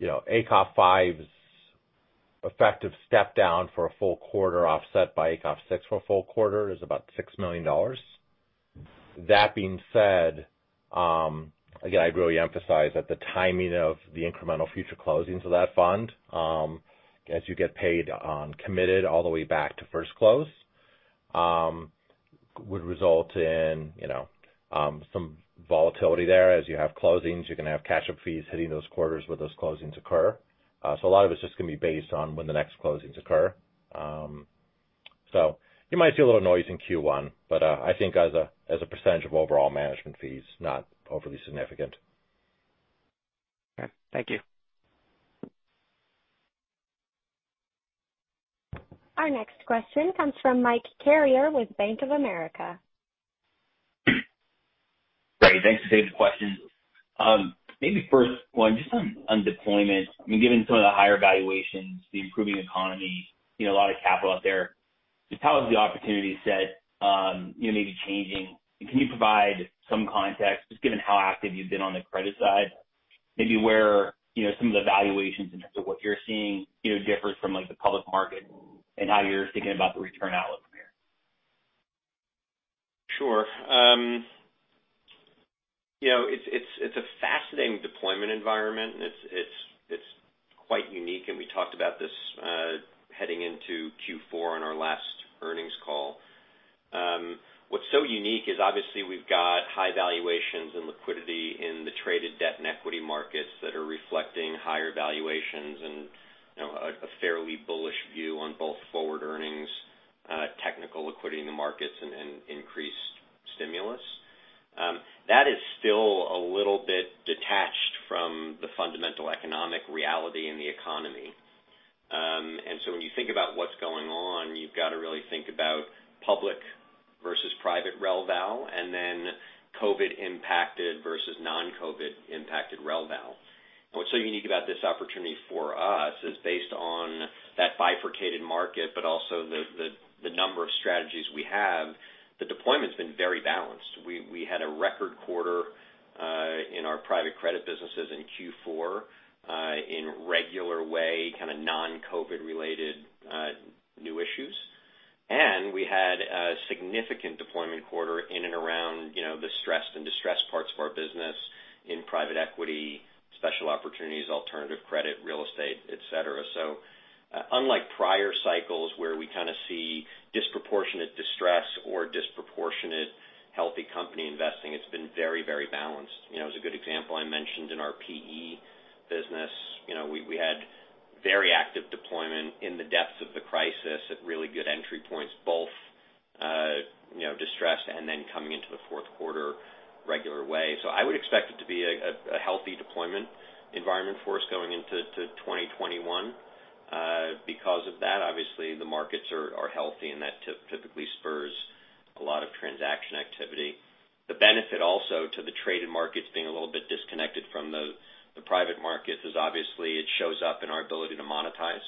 D: ACOF V's effective step down for a full quarter offset by ACOF VI for a full quarter is about $6 million. That being said, again, I'd really emphasize that the timing of the incremental future closings of that fund, as you get paid on committed all the way back to first close, would result in some volatility there. As you have closings, you're going to have catch-up fees hitting those quarters where those closings occur. A lot of it's just going to be based on when the next closings occur. You might see a little noise in Q1, but I think as a percentage of overall management fees, not overly significant.
F: Okay. Thank you.
A: Our next question comes from Michael Carrier with Bank of America.
G: Great. Thanks to save the questions. Maybe first one just on deployment. Given some of the higher valuations, the improving economy, a lot of capital out there. Just how is the opportunity set maybe changing? Can you provide some context, just given how active you've been on the credit side, maybe where some of the valuations in terms of what you're seeing differs from the public market and how you're thinking about the return outlook from here?
C: Sure. It's a fascinating deployment environment, and it's quite unique, and we talked about this heading into Q4 on our last earnings call. What's so unique is obviously we've got high valuations and liquidity in the traded debt and equity markets that are reflecting higher valuations and a fairly bullish view on both forward earnings, technical liquidity in the markets, and increased stimulus. That is still a little bit detached from the fundamental economic reality in the economy. When you think about what's going on, you've got to really think about public versus private rel val and then COVID-impacted versus non-COVID-impacted rel val. What's so unique about this opportunity for us is based on that bifurcated market, but also the number of strategies we have, the deployment's been very balanced. We had a record quarter, in our Private Credit businesses in Q4, in regular way, kind of non-COVID related new issues. We had a significant deployment quarter in and around the stressed and distressed parts of our business in private equity, special opportunities, alternative credit, real estate, et cetera. Unlike prior cycles where we kind of see disproportionate distress or disproportionate healthy company investing, it's been very balanced. A good example, I mentioned in our PE business we had very active deployment in the depths of the crisis at really good entry points, both distressed and then coming into the fourth quarter regular way. I would expect it to be a healthy deployment environment for us going into 2021. Because of that, obviously the markets are healthy, and that typically spurs a lot of transaction activity. The benefit also to the traded markets being a little bit disconnected from the private markets is obviously it shows up in our ability to monetize.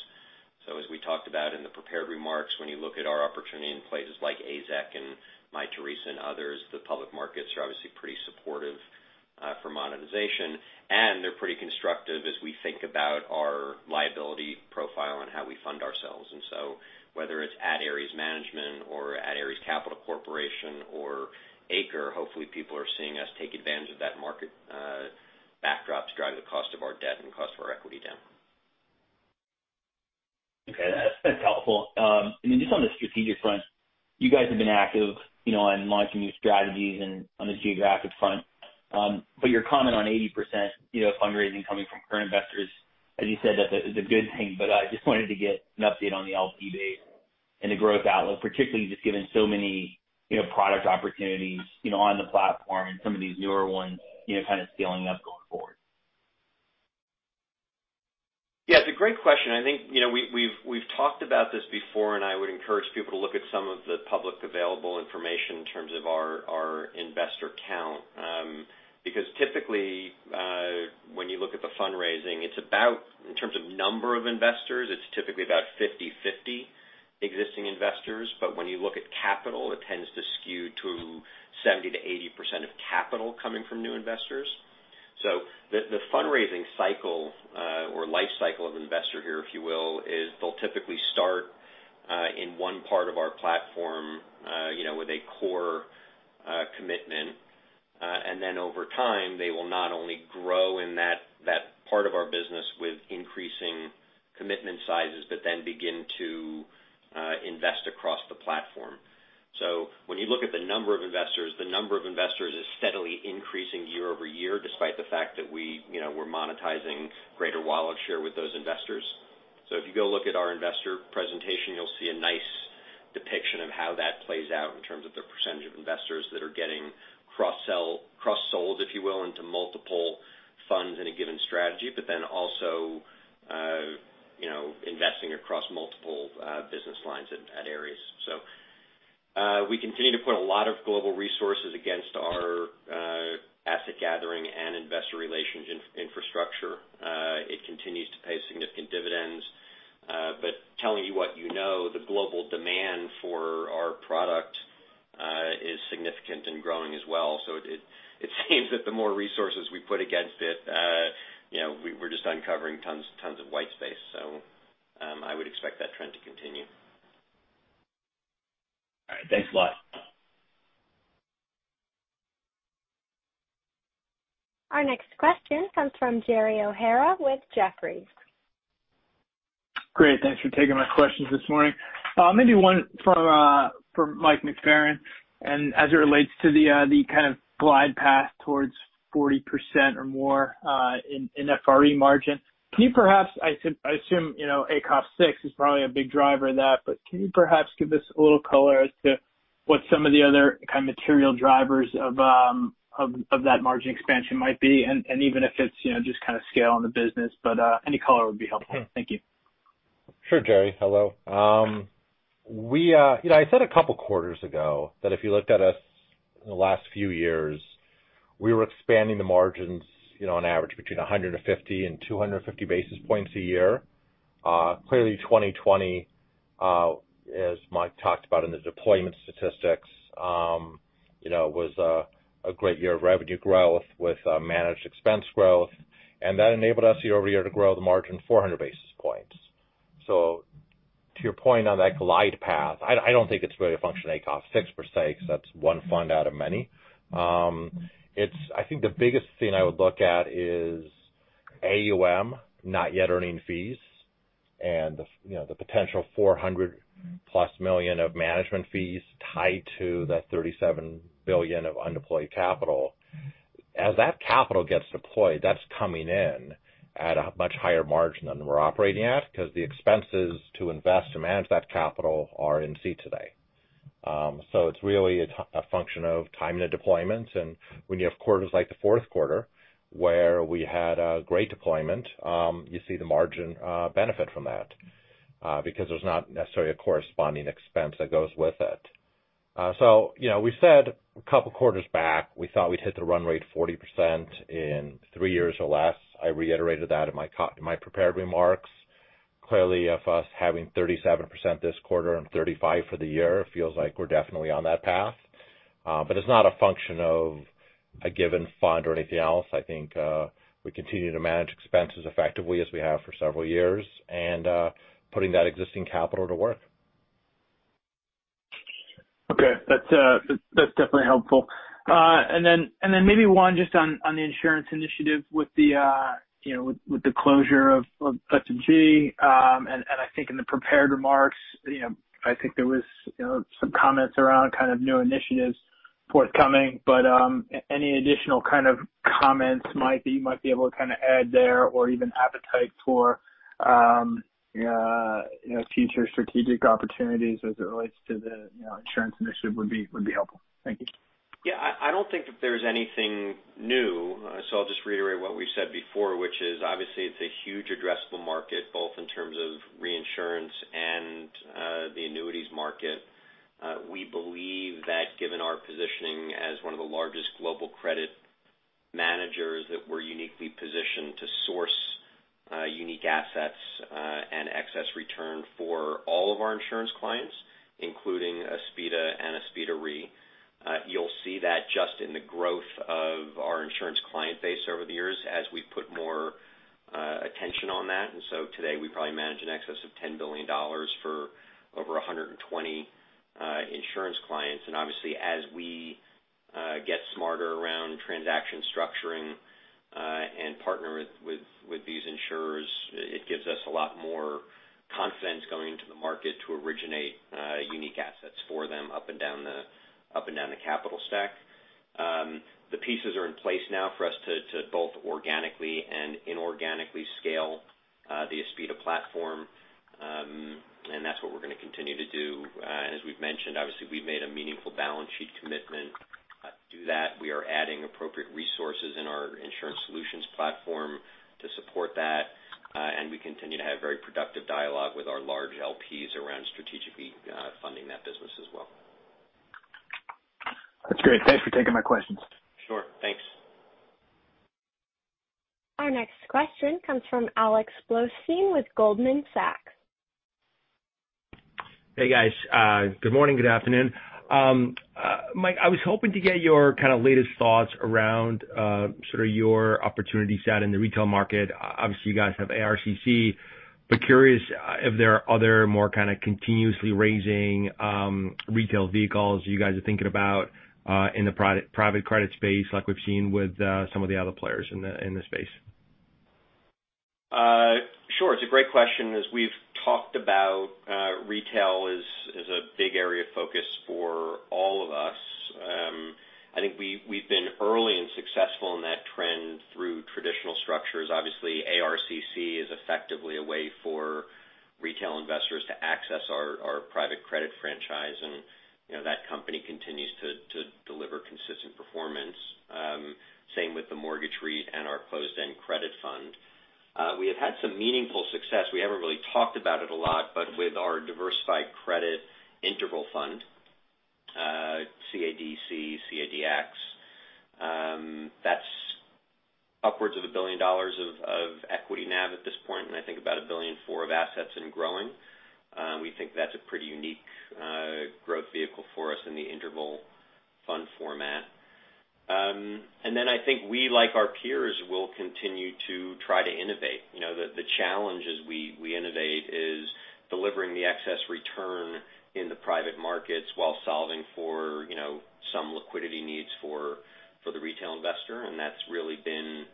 C: As we talked about in the prepared remarks, when you look at our opportunity in places like AZEK and Mytheresa and others, the public markets are obviously pretty supportive for monetization. They're pretty constructive as we think about our liability profile and how we fund ourselves. Whether it's at Ares Management or at Ares Capital Corporation or ACRE, hopefully people are seeing us take advantage of that market backdrop to drive the cost of our debt and cost of our equity down.
G: Okay. That's helpful. Then just on the strategic front, you guys have been active on launching new strategies and on the geographic front. Your comment on 80% fundraising coming from current investors, as you said, that is a good thing, but I just wanted to get an update on the LP base and the growth outlook, particularly just given so many product opportunities on the platform and some of these newer ones scaling up going forward.
C: Yeah, it's a great question. I think we've talked about this before, I would encourage people to look at some of the publicly available information in terms of our investor count. Typically, when you look at the fundraising, in terms of number of investors, it's typically about 50/50 existing investors. When you look at capital, it tends to skew to 70%-80% of capital coming from new investors. The fundraising cycle, or life cycle of investor here, if you will, is they'll typically start in one part of our platform with a core commitment. Over time, they will not only grow in that part of our business with increasing commitment sizes, but then begin to invest across the platform. When you look at the number of investors, the number of investors is steadily increasing year-over-year, despite the fact that we're monetizing greater wallet share with those investors. If you go look at our investor presentation, you'll see a nice depiction of how that plays out in terms of the percentage of investors that are getting cross-sold, if you will, into multiple funds in a given strategy. Also investing across multiple business lines at Ares. We continue to put a lot of global resources against our asset gathering and investor relations infrastructure. It continues to pay significant dividends. Telling you what you know, the global demand for our product is significant and growing as well. It seems that the more resources we put against it, we're just uncovering tons of white space. I would expect that trend to continue.
G: All right. Thanks a lot.
A: Our next question comes from Gerald O'Hara with Jefferies.
H: Great. Thanks for taking my questions this morning. Maybe one for Mike McFerran, and as it relates to the kind of glide path towards 40% or more in FRE margin. I assume ACOF VI is probably a big driver in that, but can you perhaps give us a little color as to what some of the other kind of material drivers of that margin expansion might be? Even if it's just kind of scale in the business. Any color would be helpful. Thank you.
D: Sure, Gerald. Hello. I said a couple of quarters ago that if you looked at us in the last few years, we were expanding the margins on average between 150 and 250 basis points a year. Clearly 2020, as Mike talked about in the deployment statistics, was a great year of revenue growth with managed expense growth. That enabled us year-over-year to grow the margin 400 basis points. To your point on that glide path, I don't think it's really a function of ACOF VI, per se, because that's one fund out of many. I think the biggest thing I would look at is AUM not yet earning fees. The potential +$400million of management fees tied to the $37 billion of undeployed capital. As that capital gets deployed, that's coming in at a much higher margin than we're operating at because the expenses to invest to manage that capital are in seat today. It's really a function of timing of deployments. When you have quarters like the fourth quarter, where we had a great deployment, you see the margin benefit from that. There's not necessarily a corresponding expense that goes with it. We said a couple of quarters back, we thought we'd hit the run rate 40% in three years or less. I reiterated that in my prepared remarks. Clearly of us having 37% this quarter and 35% for the year feels like we're definitely on that path. It's not a function of a given fund or anything else. I think we continue to manage expenses effectively as we have for several years, and putting that existing capital to work.
H: Okay. That's definitely helpful. Maybe one just on the insurance initiative with the closure of F&G. I think in the prepared remarks, I think there was some comments around kind of new initiatives forthcoming, but any additional kind of comments you might be able to kind of add there or even appetite for future strategic opportunities as it relates to the insurance initiative would be helpful. Thank you.
C: Yeah. I don't think that there's anything new. I'll just reiterate what we've said before, which is obviously it's a huge addressable market, both in terms of reinsurance and the annuities market. We believe that given our positioning as one of the largest global credit managers, that we're uniquely positioned to source unique assets and excess return for all of our insurance clients, including Aspida and Aspida Re. You'll see that just in the growth of our insurance client base over the years as we put more attention on that. Today we probably manage in excess of $10 billion for over 120 insurance clients. Obviously as we get smarter around transaction structuring and partner with these insurers, it gives us a lot more confidence going into the market to originate unique assets for them up and down the capital stack. The pieces are in place now for us to both organically and inorganically scale the Aspida platform. That's what we're going to continue to do. As we've mentioned, obviously we've made a meaningful balance sheet commitment to do that. We are adding appropriate resources in our insurance solutions platform to support that. We continue to have very productive dialogue with our large LPs around strategically funding that business as well.
H: That's great. Thanks for taking my questions.
C: Sure. Thanks.
A: Our next question comes from Alexander Blostein with Goldman Sachs.
I: Hey guys. Good morning, good afternoon. Mike, I was hoping to get your kind of latest thoughts around sort of your opportunity set in the retail market. Obviously you guys have ARCC, but curious if there are other more kind of continuously raising retail vehicles you guys are thinking about in the private credit space like we've seen with some of the other players in the space.
C: Sure. It's a great question. As we've talked about retail is a big area of focus for all of us. I think we've been early and successful in that trend through traditional structures. Obviously, ARCC is effectively a way for retail investors to access our private credit franchise, and that company continues to deliver consistent performance. Same with the mortgage REIT and our closed-end credit fund. We have had some meaningful success. We haven't really talked about it a lot, but with our diversified credit interval fund, CADC, CADX, that's upwards of $1 billion of equity NAV at this point, and I think about $1.4 billion of assets and growing. We think that's a pretty unique growth vehicle for us in the interval fund format. Then I think we, like our peers, will continue to try to innovate. The challenge as we innovate is delivering the excess return in the private markets while solving for some liquidity needs for the retail investor. That's really been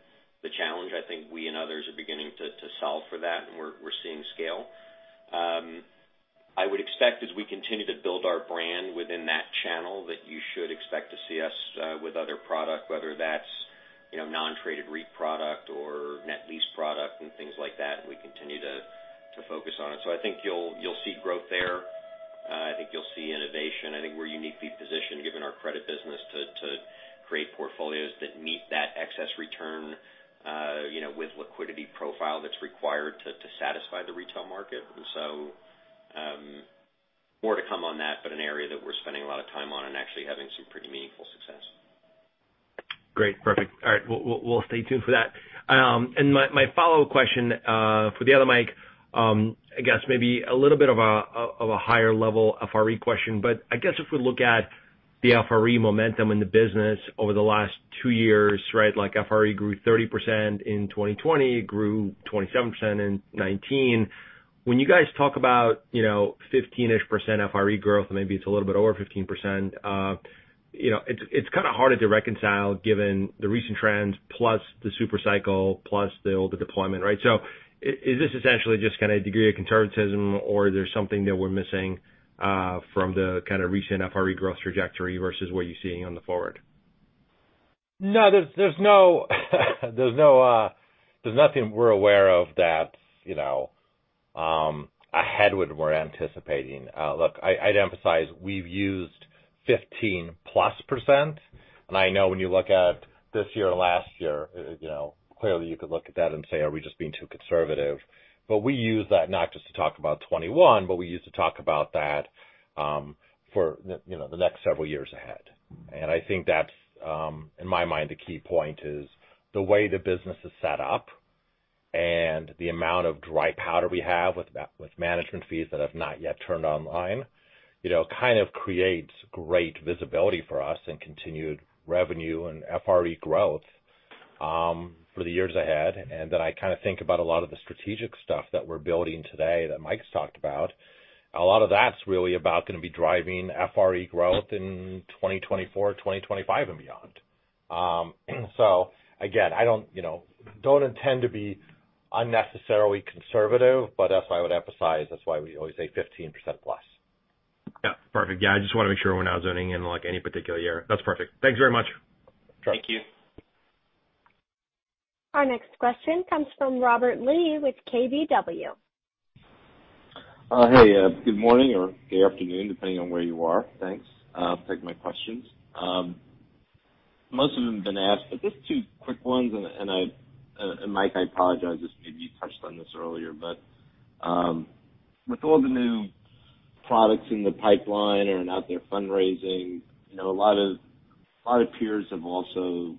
C: the challenge I think we and others are beginning to solve for that, and we're seeing scale. I would expect as we continue to build our brand within that channel, that you should expect to see us with other product, whether that's non-traded REIT product or net lease product and things like that, and we continue to focus on it. I think you'll see growth there. I think you'll see innovation. I think we're uniquely positioned, given our credit business, to create portfolios that meet that excess return with liquidity profile that's required to satisfy the retail market. More to come on that, but an area that we're spending a lot of time on and actually having some pretty meaningful success.
I: Great. Perfect. All right. We'll stay tuned for that. My follow-up question for the other Mike, I guess maybe a little bit of a higher level FRE question. I guess if we look at the FRE momentum in the business over the last two years, right? Like FRE grew 30% in 2020, grew 27% in 2019. When you guys talk about 15%-ish FRE growth, maybe it's a little bit over 15%, it's kind of harder to reconcile given the recent trends plus the super cycle plus the deployment, right? Is this essentially just kind of a degree of conservatism or there's something that we're missing from the kind of recent FRE growth trajectory versus what you're seeing on the forward?
D: No, there's nothing we're aware of that's ahead what we're anticipating. Look, I'd emphasize we've used +15%. I know when you look at this year and last year, clearly you could look at that and say, "Are we just being too conservative?" We use that not just to talk about 2021, but we use to talk about that for the next several years ahead. I think that's, in my mind, the key point is the way the business is set up and the amount of dry powder we have with management fees that have not yet turned online, kind of creates great visibility for us and continued revenue and FRE growth for the years ahead. Then I think about a lot of the strategic stuff that we're building today that Michael's talked about. A lot of that's really about going to be driving FRE growth in 2024, 2025, and beyond. Again, I don't intend to be unnecessarily conservative, but that's why I would emphasize, that's why we always say 15%-plus.
I: Perfect. I just want to make sure we're not zoning in any particular year. That's perfect. Thanks very much.
D: Sure.
C: Thank you.
A: Our next question comes from Robert Lee with KBW.
J: Hey, good morning or good afternoon, depending on where you are. Thanks. I'll take my questions. Most of them have been asked, but just two quick ones. Mike, I apologize, as maybe you touched on this earlier, but with all the new products in the pipeline and out there fundraising, a lot of peers have also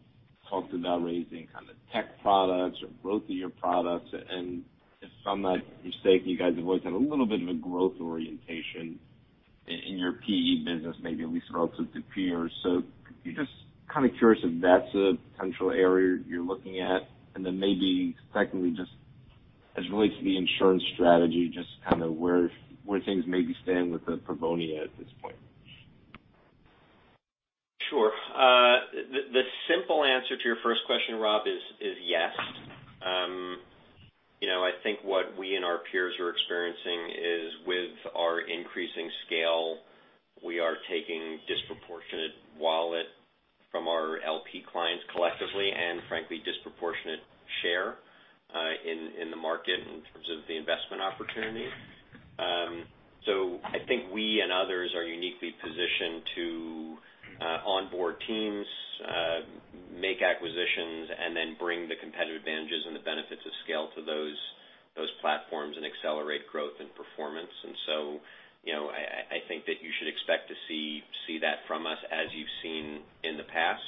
J: talked about raising kind of tech products or growthier products. If I'm not mistaken, you guys have always had a little bit of a growth orientation in your PE business, maybe at least relative to peers. Just kind of curious if that's a potential area you're looking at. Then maybe secondly, just as it relates to the insurance strategy, just where things maybe stand with the Pavonia at this point.
C: Sure. The simple answer to your first question, Rob, is yes. I think what we and our peers are experiencing is with our increasing scale, we are taking disproportionate wallet from our LP clients collectively, and frankly, disproportionate share in the market in terms of the investment opportunity. I think we and others are uniquely positioned to onboard teams, make acquisitions, and then bring the competitive advantages and the benefits of scale to those platforms and accelerate growth and performance. I think that you should expect to see that from us, as you've seen in the past.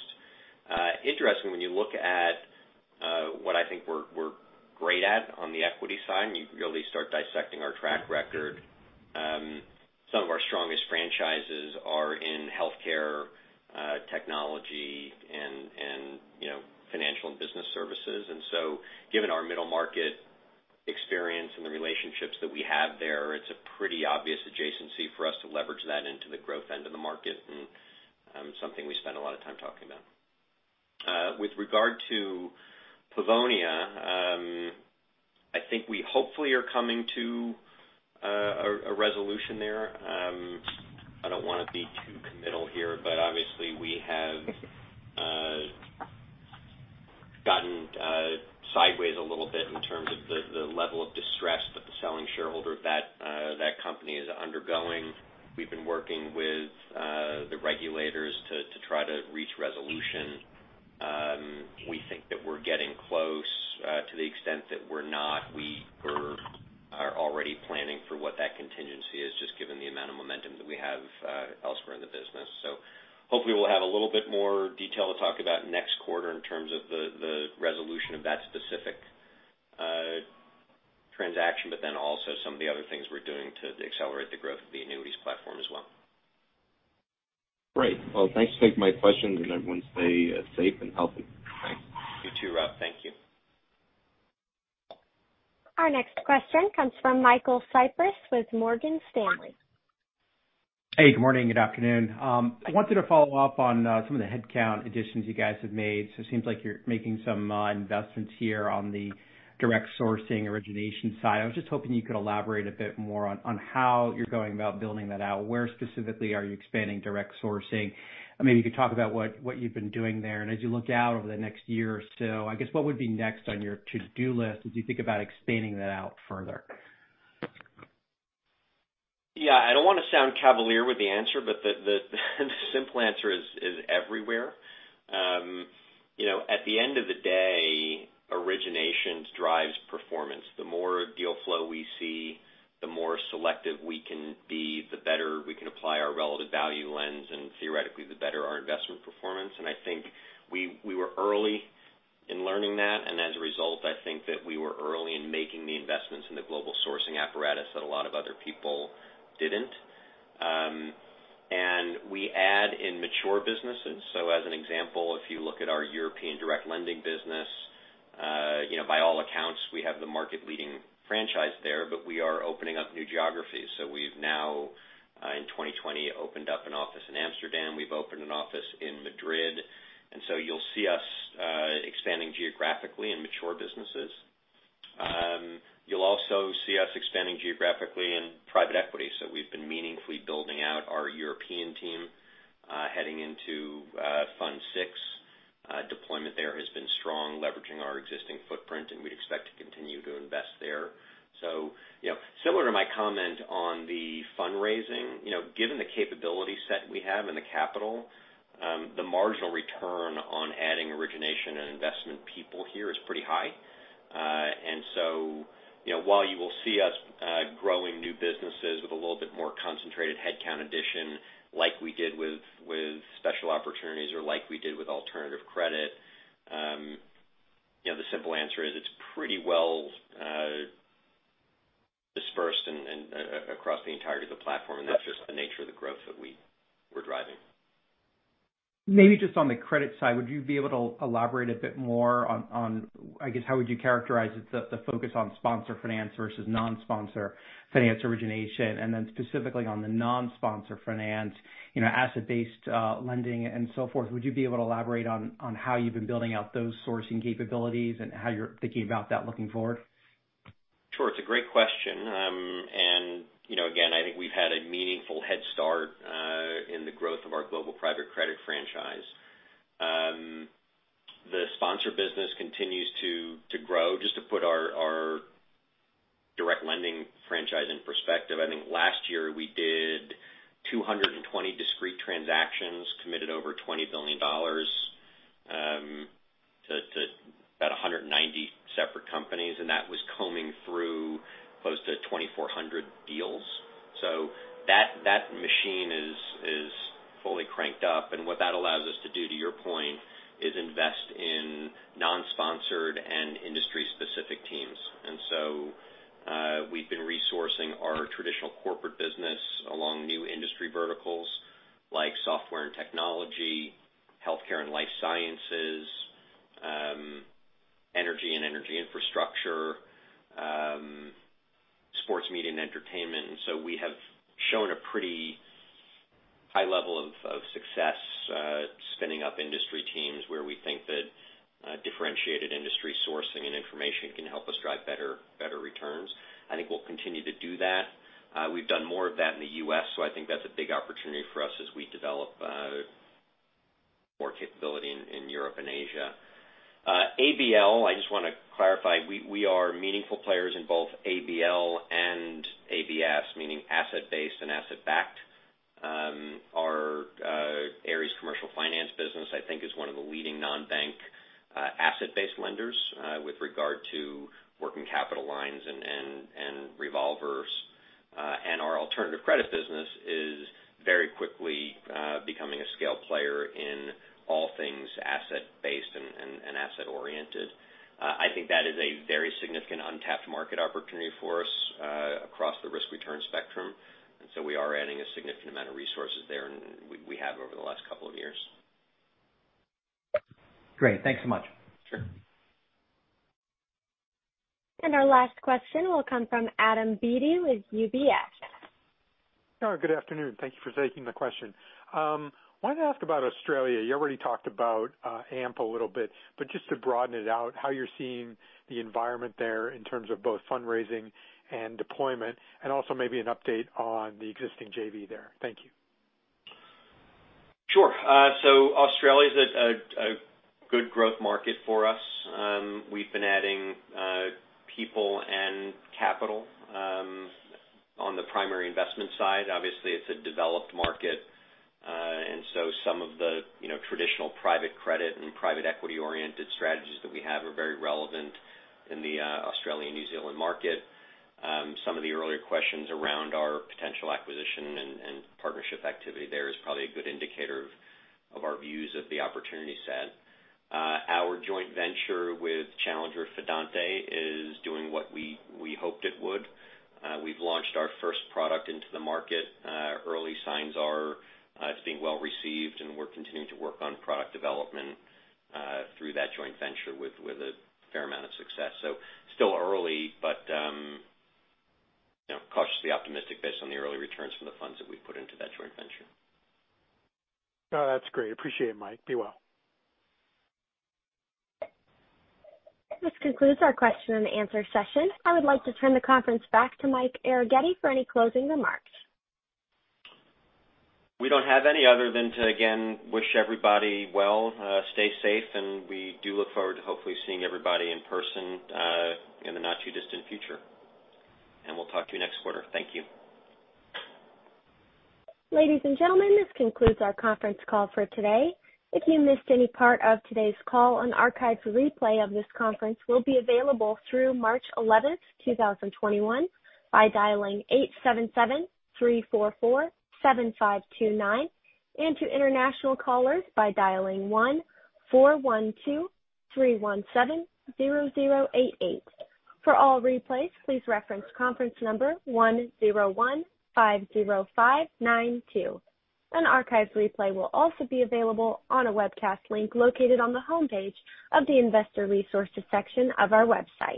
C: Interesting, when you look at what I think we're great at on the equity side, and you really start dissecting our track record. Some of our strongest franchises are in healthcare, technology, and financial and business services. Given our middle market experience and the relationships that we have there, it's a pretty obvious adjacency for us to leverage that into the growth end of the market, and something we spend a lot of time talking about. With regard to Pavonia, I think we hopefully are coming to a resolution there. I don't want to be too committal here, but obviously we have gotten sideways a little bit in terms of the level of distress that the selling shareholder of that company is undergoing. We've been working with the regulators to try to reach resolution. We think that we're getting close. To the extent that we're not, we are already planning for what that contingency is, just given the amount of momentum that we have elsewhere in the business. Hopefully we'll have a little bit more detail to talk about next quarter in terms of the resolution of that specific transaction, but then also some of the other things we're doing to accelerate the growth of the annuities platform as well.
J: Great. Well, thanks for taking my questions, and everyone stay safe and healthy.
C: Thanks. You too, Rob. Thank you.
A: Our next question comes from Michael Cyprys with Morgan Stanley.
K: Hey, good morning, good afternoon. I wanted to follow up on some of the headcount additions you guys have made. It seems like you're making some investments here on the direct sourcing origination side. I was just hoping you could elaborate a bit more on how you're going about building that out. Where specifically are you expanding direct sourcing? Maybe you could talk about what you've been doing there, and as you look out over the next year or so, I guess what would be next on your to-do list as you think about expanding that out further?
C: Yeah, I don't want to sound cavalier with the answer, but the simple answer is everywhere. At the end of the day, origination drives performance. The more deal flow we see, the more selective we can be, the better we can apply our relative value lens, and theoretically, the better our investment performance. I think we were early in learning that. As a result, I think that we were early in making the investments in the global sourcing apparatus that a lot of other people didn't. We add in mature businesses. As an example, if you look at our European direct lending business, by all accounts, we have the market leading franchise there, but we are opening up new geographies. We've now, in 2020, opened up an office in Amsterdam. We've opened an office in Madrid. You'll see us expanding geographically in mature businesses. You'll also see us expanding geographically in private equity. We've been meaningfully building out our European team heading into Fund VI deployment there has been strong, leveraging our existing footprint, and we expect to continue to invest there. Similar to my comment on the fundraising, given the capability set we have and the capital, the marginal return on adding origination and investment people here is pretty high. While you will see us growing new businesses with a little bit more concentrated headcount addition like we did with special opportunities or like we did with alternative credit, the simple answer is it's pretty well dispersed across the entirety of the platform, and that's just the nature of the growth that we're driving.
K: Maybe just on the credit side, would you be able to elaborate a bit more on, I guess, how would you characterize the focus on sponsor finance versus non-sponsor finance origination, and then specifically on the non-sponsor finance, asset-based lending and so forth. Would you be able to elaborate on how you've been building out those sourcing capabilities and how you're thinking about that looking forward?
C: Sure. It's a great question. Again, I think we've had a meaningful head start in the growth of our global private credit franchise. The sponsor business continues to grow. Just to put our direct lending franchise in perspective, I think last year we did 220 discrete transactions, committed over $20 billion to about 190 separate companies, and that was combing through close to 2,400 deals. That machine is fully cranked up, and what that allows us to do, to your point, is invest in non-sponsored and industry-specific teams. We've been resourcing our traditional corporate business along new industry verticals like software and technology, healthcare and life sciences, energy and energy infrastructure, sports media, and entertainment. We have shown a pretty high level of success spinning up industry teams where we think that differentiated industry sourcing and information can help us drive better returns. I think we'll continue to do that. We've done more of that in the U.S., so I think that's a big opportunity for us as we develop more capability in Europe and Asia. ABL, I just want to clarify, we are meaningful players in both ABL and ABS, meaning asset-based and asset-backed. Our Ares Commercial Finance business, I think, is one of the leading non-bank asset-based lenders with regard to working capital lines and revolvers. Our alternative credit business is very quickly becoming a scale player in all things asset-based and asset-oriented. I think that is a very significant untapped market opportunity for us across the risk-return spectrum, and so we are adding a significant amount of resources there, and we have over the last couple of years.
K: Great. Thanks so much.
C: Sure.
A: Our last question will come from Adam Beatty with UBS.
L: Good afternoon. Thank you for taking the question. I wanted to ask about Australia. You already talked about AMP a little bit, but just to broaden it out, how you're seeing the environment there in terms of both fundraising and deployment, and also maybe an update on the existing JV there. Thank you.
C: Sure. Australia's a good growth market for us. We've been adding people and capital on the primary investment side. Obviously, it's a developed market. Some of the traditional private credit and private equity-oriented strategies that we have are very relevant in the Australian-New Zealand market. Some of the earlier questions around our potential acquisition and partnership activity there is probably a good indicator of our views of the opportunity set. Our joint venture with Challenger Fidante is doing what we hoped it would. We've launched our first product into the market. Early signs are it's being well received, and we're continuing to work on product development through that joint venture with a fair amount of success. Still early, but cautiously optimistic based on the early returns from the funds that we've put into that joint venture.
L: No, that's great. Appreciate it, Mike. Be well.
A: This concludes our question and answer session. I would like to turn the conference back to Mike Arougheti for any closing remarks.
C: We don't have any other than to, again, wish everybody well, stay safe, and we do look forward to hopefully seeing everybody in person in the not too distant future. We'll talk to you next quarter. Thank you.
A: Ladies and gentlemen, this concludes our conference call for today. If you missed any part of today's call, an archived replay of this conference will be available through March 11th, 2021 by dialing 877-344-7529, and to international callers by dialing 1-412-317-0088. For all replays, please reference conference number 10150592. An archived replay will also be available on a webcast link located on the homepage of the Investor Resources section of our website.